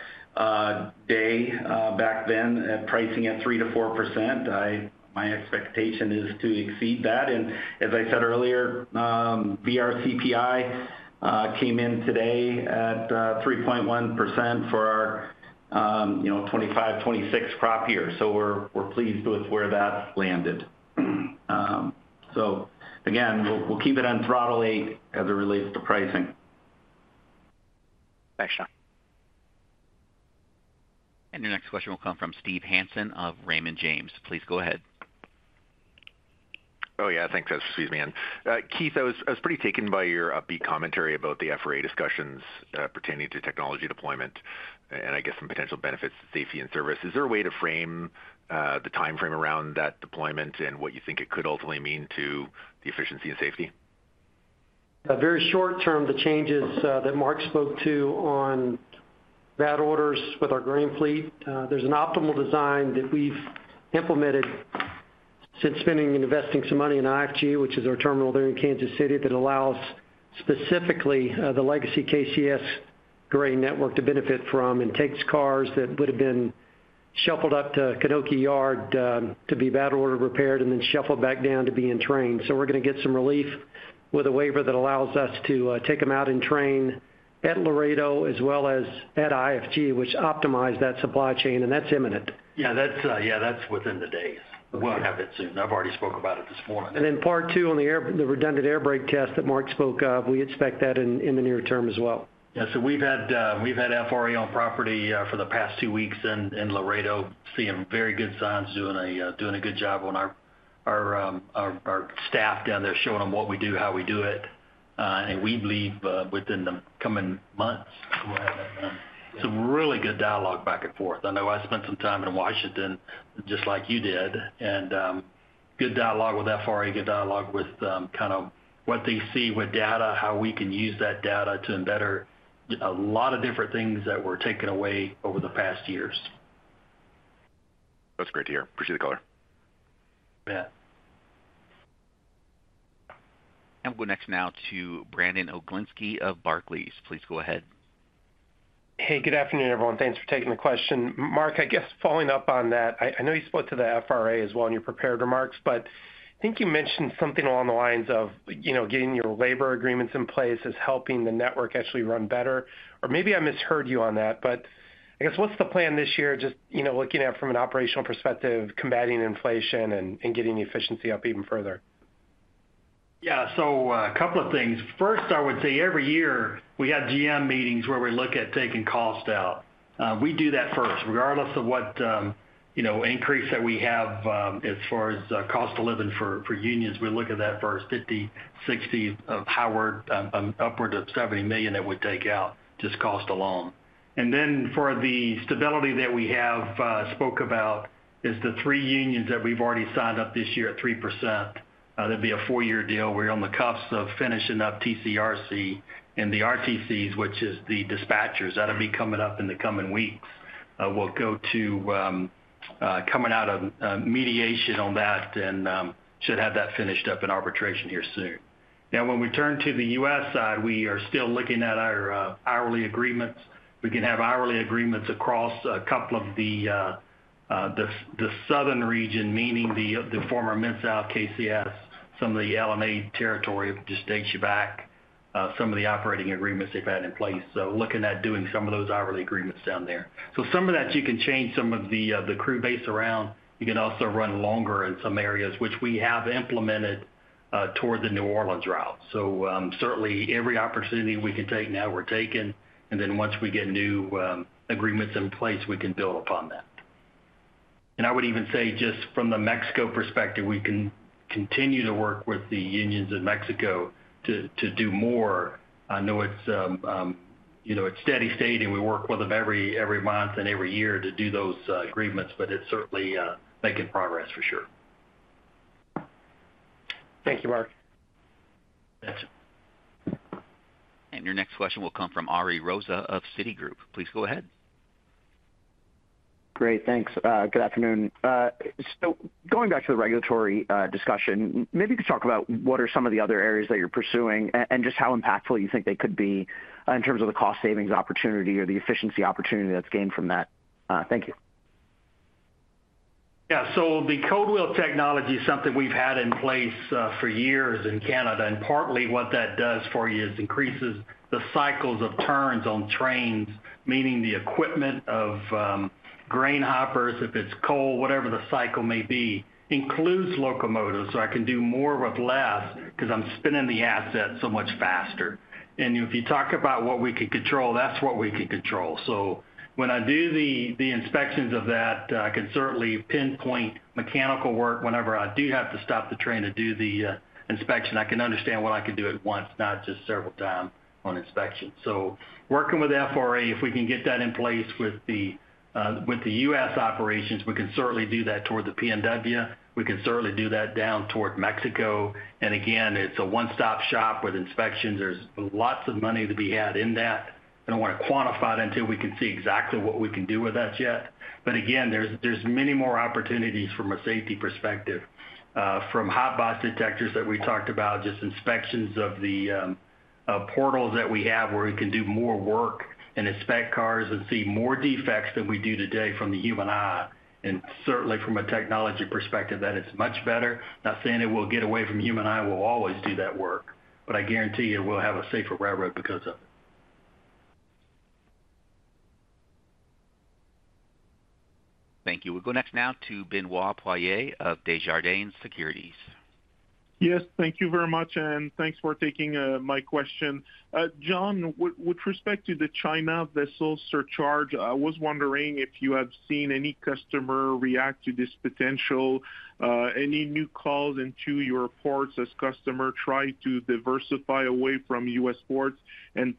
day back then at pricing at 3%-4%. My expectation is to exceed that. As I said earlier, VRCPI came in today at 3.1% for our, you know, 2025, 2026 crop year. We're pleased with where that landed. Again, we'll keep it on throttle eight as it relates to pricing. Thanks, John. Your next question will come from Steve Hansen of Raymond James. Please go ahead. Oh, yeah, thanks. Excuse me. Keith, I was pretty taken by your upbeat commentary about the FRA discussions pertaining to technology deployment and, I guess, some potential benefits to safety and service. Is there a way to frame the timeframe around that deployment and what you think it could ultimately mean to the efficiency and safety? Very short term, the changes that Mark spoke to on bad orders with our grain fleet, there's an optimal design that we've implemented since spending and investing some money in IFG, which is our terminal there in Kansas City, that allows specifically the legacy KCS grain network to benefit from and takes cars that would have been shuffled up to Knoche Yard to be bad order repaired and then shuffled back down to be in train. We are going to get some relief with a waiver that allows us to take them out in train at Laredo as well as at IFG, which optimized that supply chain, and that's imminent. Yeah, that's within the days. We'll have it soon. I've already spoke about it this morning. Part two on the redundant air brake test that Mark spoke of, we expect that in the near term as well. Yeah. We have had FRA on property for the past two weeks in Laredo, seeing very good signs, doing a good job on our staff down there, showing them what we do, how we do it. We believe within the coming months, we will have some really good dialogue back and forth. I know I spent some time in Washington, just like you did, and good dialogue with FRA, good dialogue with kind of what they see with data, how we can use that data to better a lot of different things that were taken away over the past years. That's great to hear. Appreciate the color. Yeah. We will go next now to Brandon Oglenski of Barclays. Please go ahead. Hey, good afternoon, everyone. Thanks for taking the question. Mark, I guess following up on that, I know you spoke to the FRA as well in your prepared remarks, but I think you mentioned something along the lines of, you know, getting your labor agreements in place is helping the network actually run better. Or maybe I misheard you on that, but I guess what's the plan this year, just, you know, looking at from an operational perspective, combating inflation and getting the efficiency up even further? Yeah. A couple of things. First, I would say every year we have GM meetings where we look at taking cost out. We do that first, regardless of what, you know, increase that we have as far as cost of living for unions, we look at that first, $50 million, $60 million, upward of $70 million that we take out just cost alone. For the stability that we have spoke about, it is the three unions that we've already signed up this year at 3%. That would be a four-year deal. We're on the cusp of finishing up TCRC and the RTCs, which is the dispatchers that'll be coming up in the coming weeks. We'll go to coming out of mediation on that and should have that finished up in arbitration here soon. Now, when we turn to the U.S. side, we are still looking at our hourly agreements. We can have hourly agreements across a couple of the southern region, meaning the former Mid-South KCS, some of the L&A territory, just takes you back, some of the operating agreements they've had in place. Looking at doing some of those hourly agreements down there. Some of that, you can change some of the crew base around. You can also run longer in some areas, which we have implemented toward the New Orleans route. Certainly every opportunity we can take now, we're taking. Once we get new agreements in place, we can build upon that. I would even say just from the Mexico perspective, we can continue to work with the unions in Mexico to do more. I know it's, you know, it's steady state, and we work with them every month and every year to do those agreements, but it's certainly making progress for sure. Thank you, Mark. Thanks. Your next question will come from Ari Rosa of Citi Group. Please go ahead. Great. Thanks. Good afternoon. Going back to the regulatory discussion, maybe you could talk about what are some of the other areas that you're pursuing and just how impactful you think they could be in terms of the cost savings opportunity or the efficiency opportunity that's gained from that. Thank you. Yeah. The cold wheel technology is something we've had in place for years in Canada. Partly what that does for you is increases the cycles of turns on trains, meaning the equipment of grain hoppers, if it's coal, whatever the cycle may be, includes locomotives so I can do more with less because I'm spinning the asset so much faster. If you talk about what we can control, that's what we can control. When I do the inspections of that, I can certainly pinpoint mechanical work. Whenever I do have to stop the train to do the inspection, I can understand what I can do at once, not just several times on inspection. Working with FRA, if we can get that in place with the U.S. operations, we can certainly do that toward the PNW. We can certainly do that down toward Mexico. It is a one-stop shop with inspections. There is lots of money to be had in that. I do not want to quantify it until we can see exactly what we can do with that yet. There are many more opportunities from a safety perspective, from hotbox detectors that we talked about, just inspections of the portals that we have where we can do more work and inspect cars and see more defects than we do today from the human eye. Certainly from a technology perspective, that is much better. Not saying it will get away from human eye. We will always do that work, but I guarantee you we will have a safer railroad because of it. Thank you. We'll go next now to Benoit Poirier of Desjardins Securities. Yes, thank you very much, and thanks for taking my question. John, with respect to the China vessel surcharge, I was wondering if you have seen any customer react to this potential, any new calls into your ports as customers try to diversify away from U.S. ports.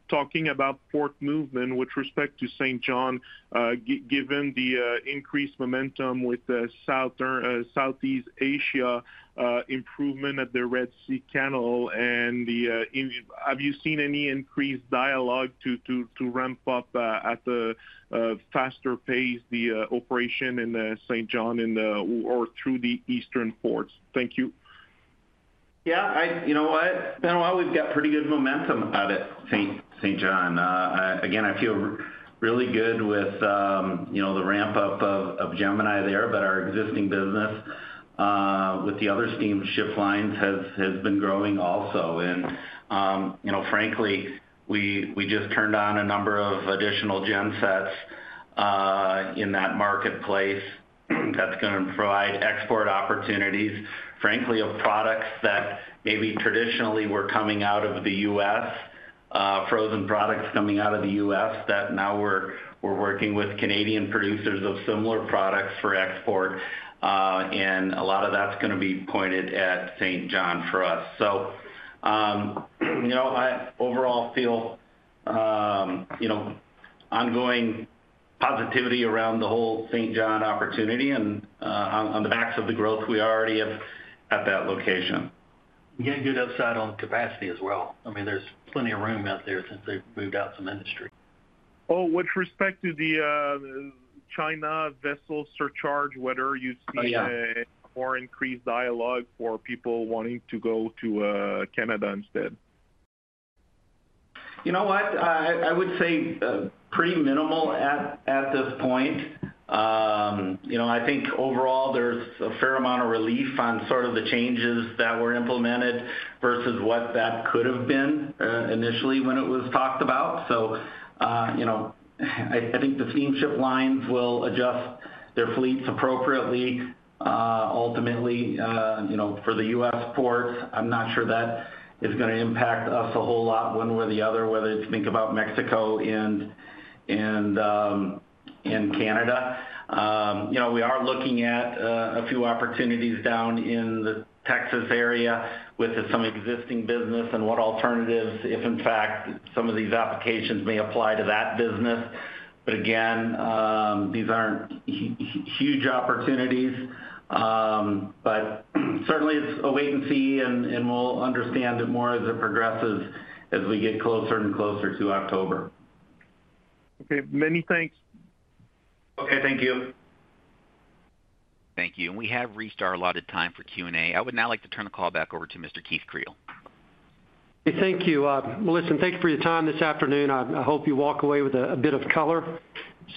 Talking about port movement with respect to St. John, given the increased momentum with Southeast Asia improvement at the Red Sea Canal, have you seen any increased dialogue to ramp up at a faster pace the operation in St. John or through the eastern ports? Thank you. Yeah. You know what? Benoit, we've got pretty good momentum at St. John. Again, I feel really good with, you know, the ramp-up of Gemini there, but our existing business with the other steamship lines has been growing also. You know, frankly, we just turned on a number of additional gen sets in that marketplace that's going to provide export opportunities, frankly, of products that maybe traditionally were coming out of the U.S., frozen products coming out of the U.S. that now we're working with Canadian producers of similar products for export. A lot of that's going to be pointed at St. John for us. You know, I overall feel, you know, ongoing positivity around the whole St. John opportunity and on the backs of the growth we already have at that location. You get good upside on capacity as well. I mean, there's plenty of room out there since they've moved out some industry. Oh, with respect to the China vessel surcharge, whether you see more increased dialogue for people wanting to go to Canada instead? You know what? I would say pretty minimal at this point. You know, I think overall there is a fair amount of relief on sort of the changes that were implemented versus what that could have been initially when it was talked about. You know, I think the steamship lines will adjust their fleets appropriately. Ultimately, you know, for the U.S. ports, I am not sure that is going to impact us a whole lot one way or the other, whether it is think about Mexico and Canada. You know, we are looking at a few opportunities down in the Texas area with some existing business and what alternatives, if in fact, some of these applications may apply to that business. Again, these are not huge opportunities, but certainly it is a wait and see, and we will understand it more as it progresses as we get closer and closer to October. Okay. Many thanks. Okay. Thank you. Thank you. We have reached our allotted time for Q&A. I would now like to turn the call back over to Mr. Keith Creel. Thank you. Listen, thank you for your time this afternoon. I hope you walk away with a bit of color.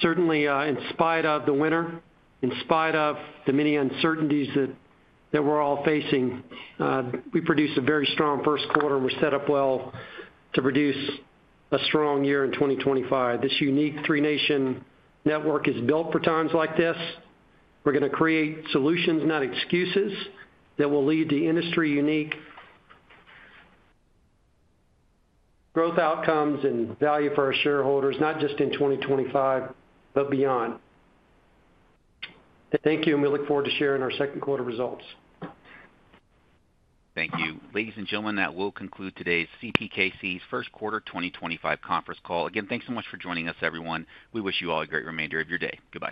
Certainly, in spite of the winter, in spite of the many uncertainties that we're all facing, we produced a very strong first quarter, and we're set up well to produce a strong year in 2025. This unique three-nation network is built for times like this. We're going to create solutions, not excuses, that will lead the industry to unique growth outcomes and value for our shareholders, not just in 2025, but beyond. Thank you, and we look forward to sharing our second quarter results. Thank you. Ladies and gentlemen, that will conclude today's CPKC's first quarter 2025 conference call. Again, thanks so much for joining us, everyone. We wish you all a great remainder of your day. Goodbye.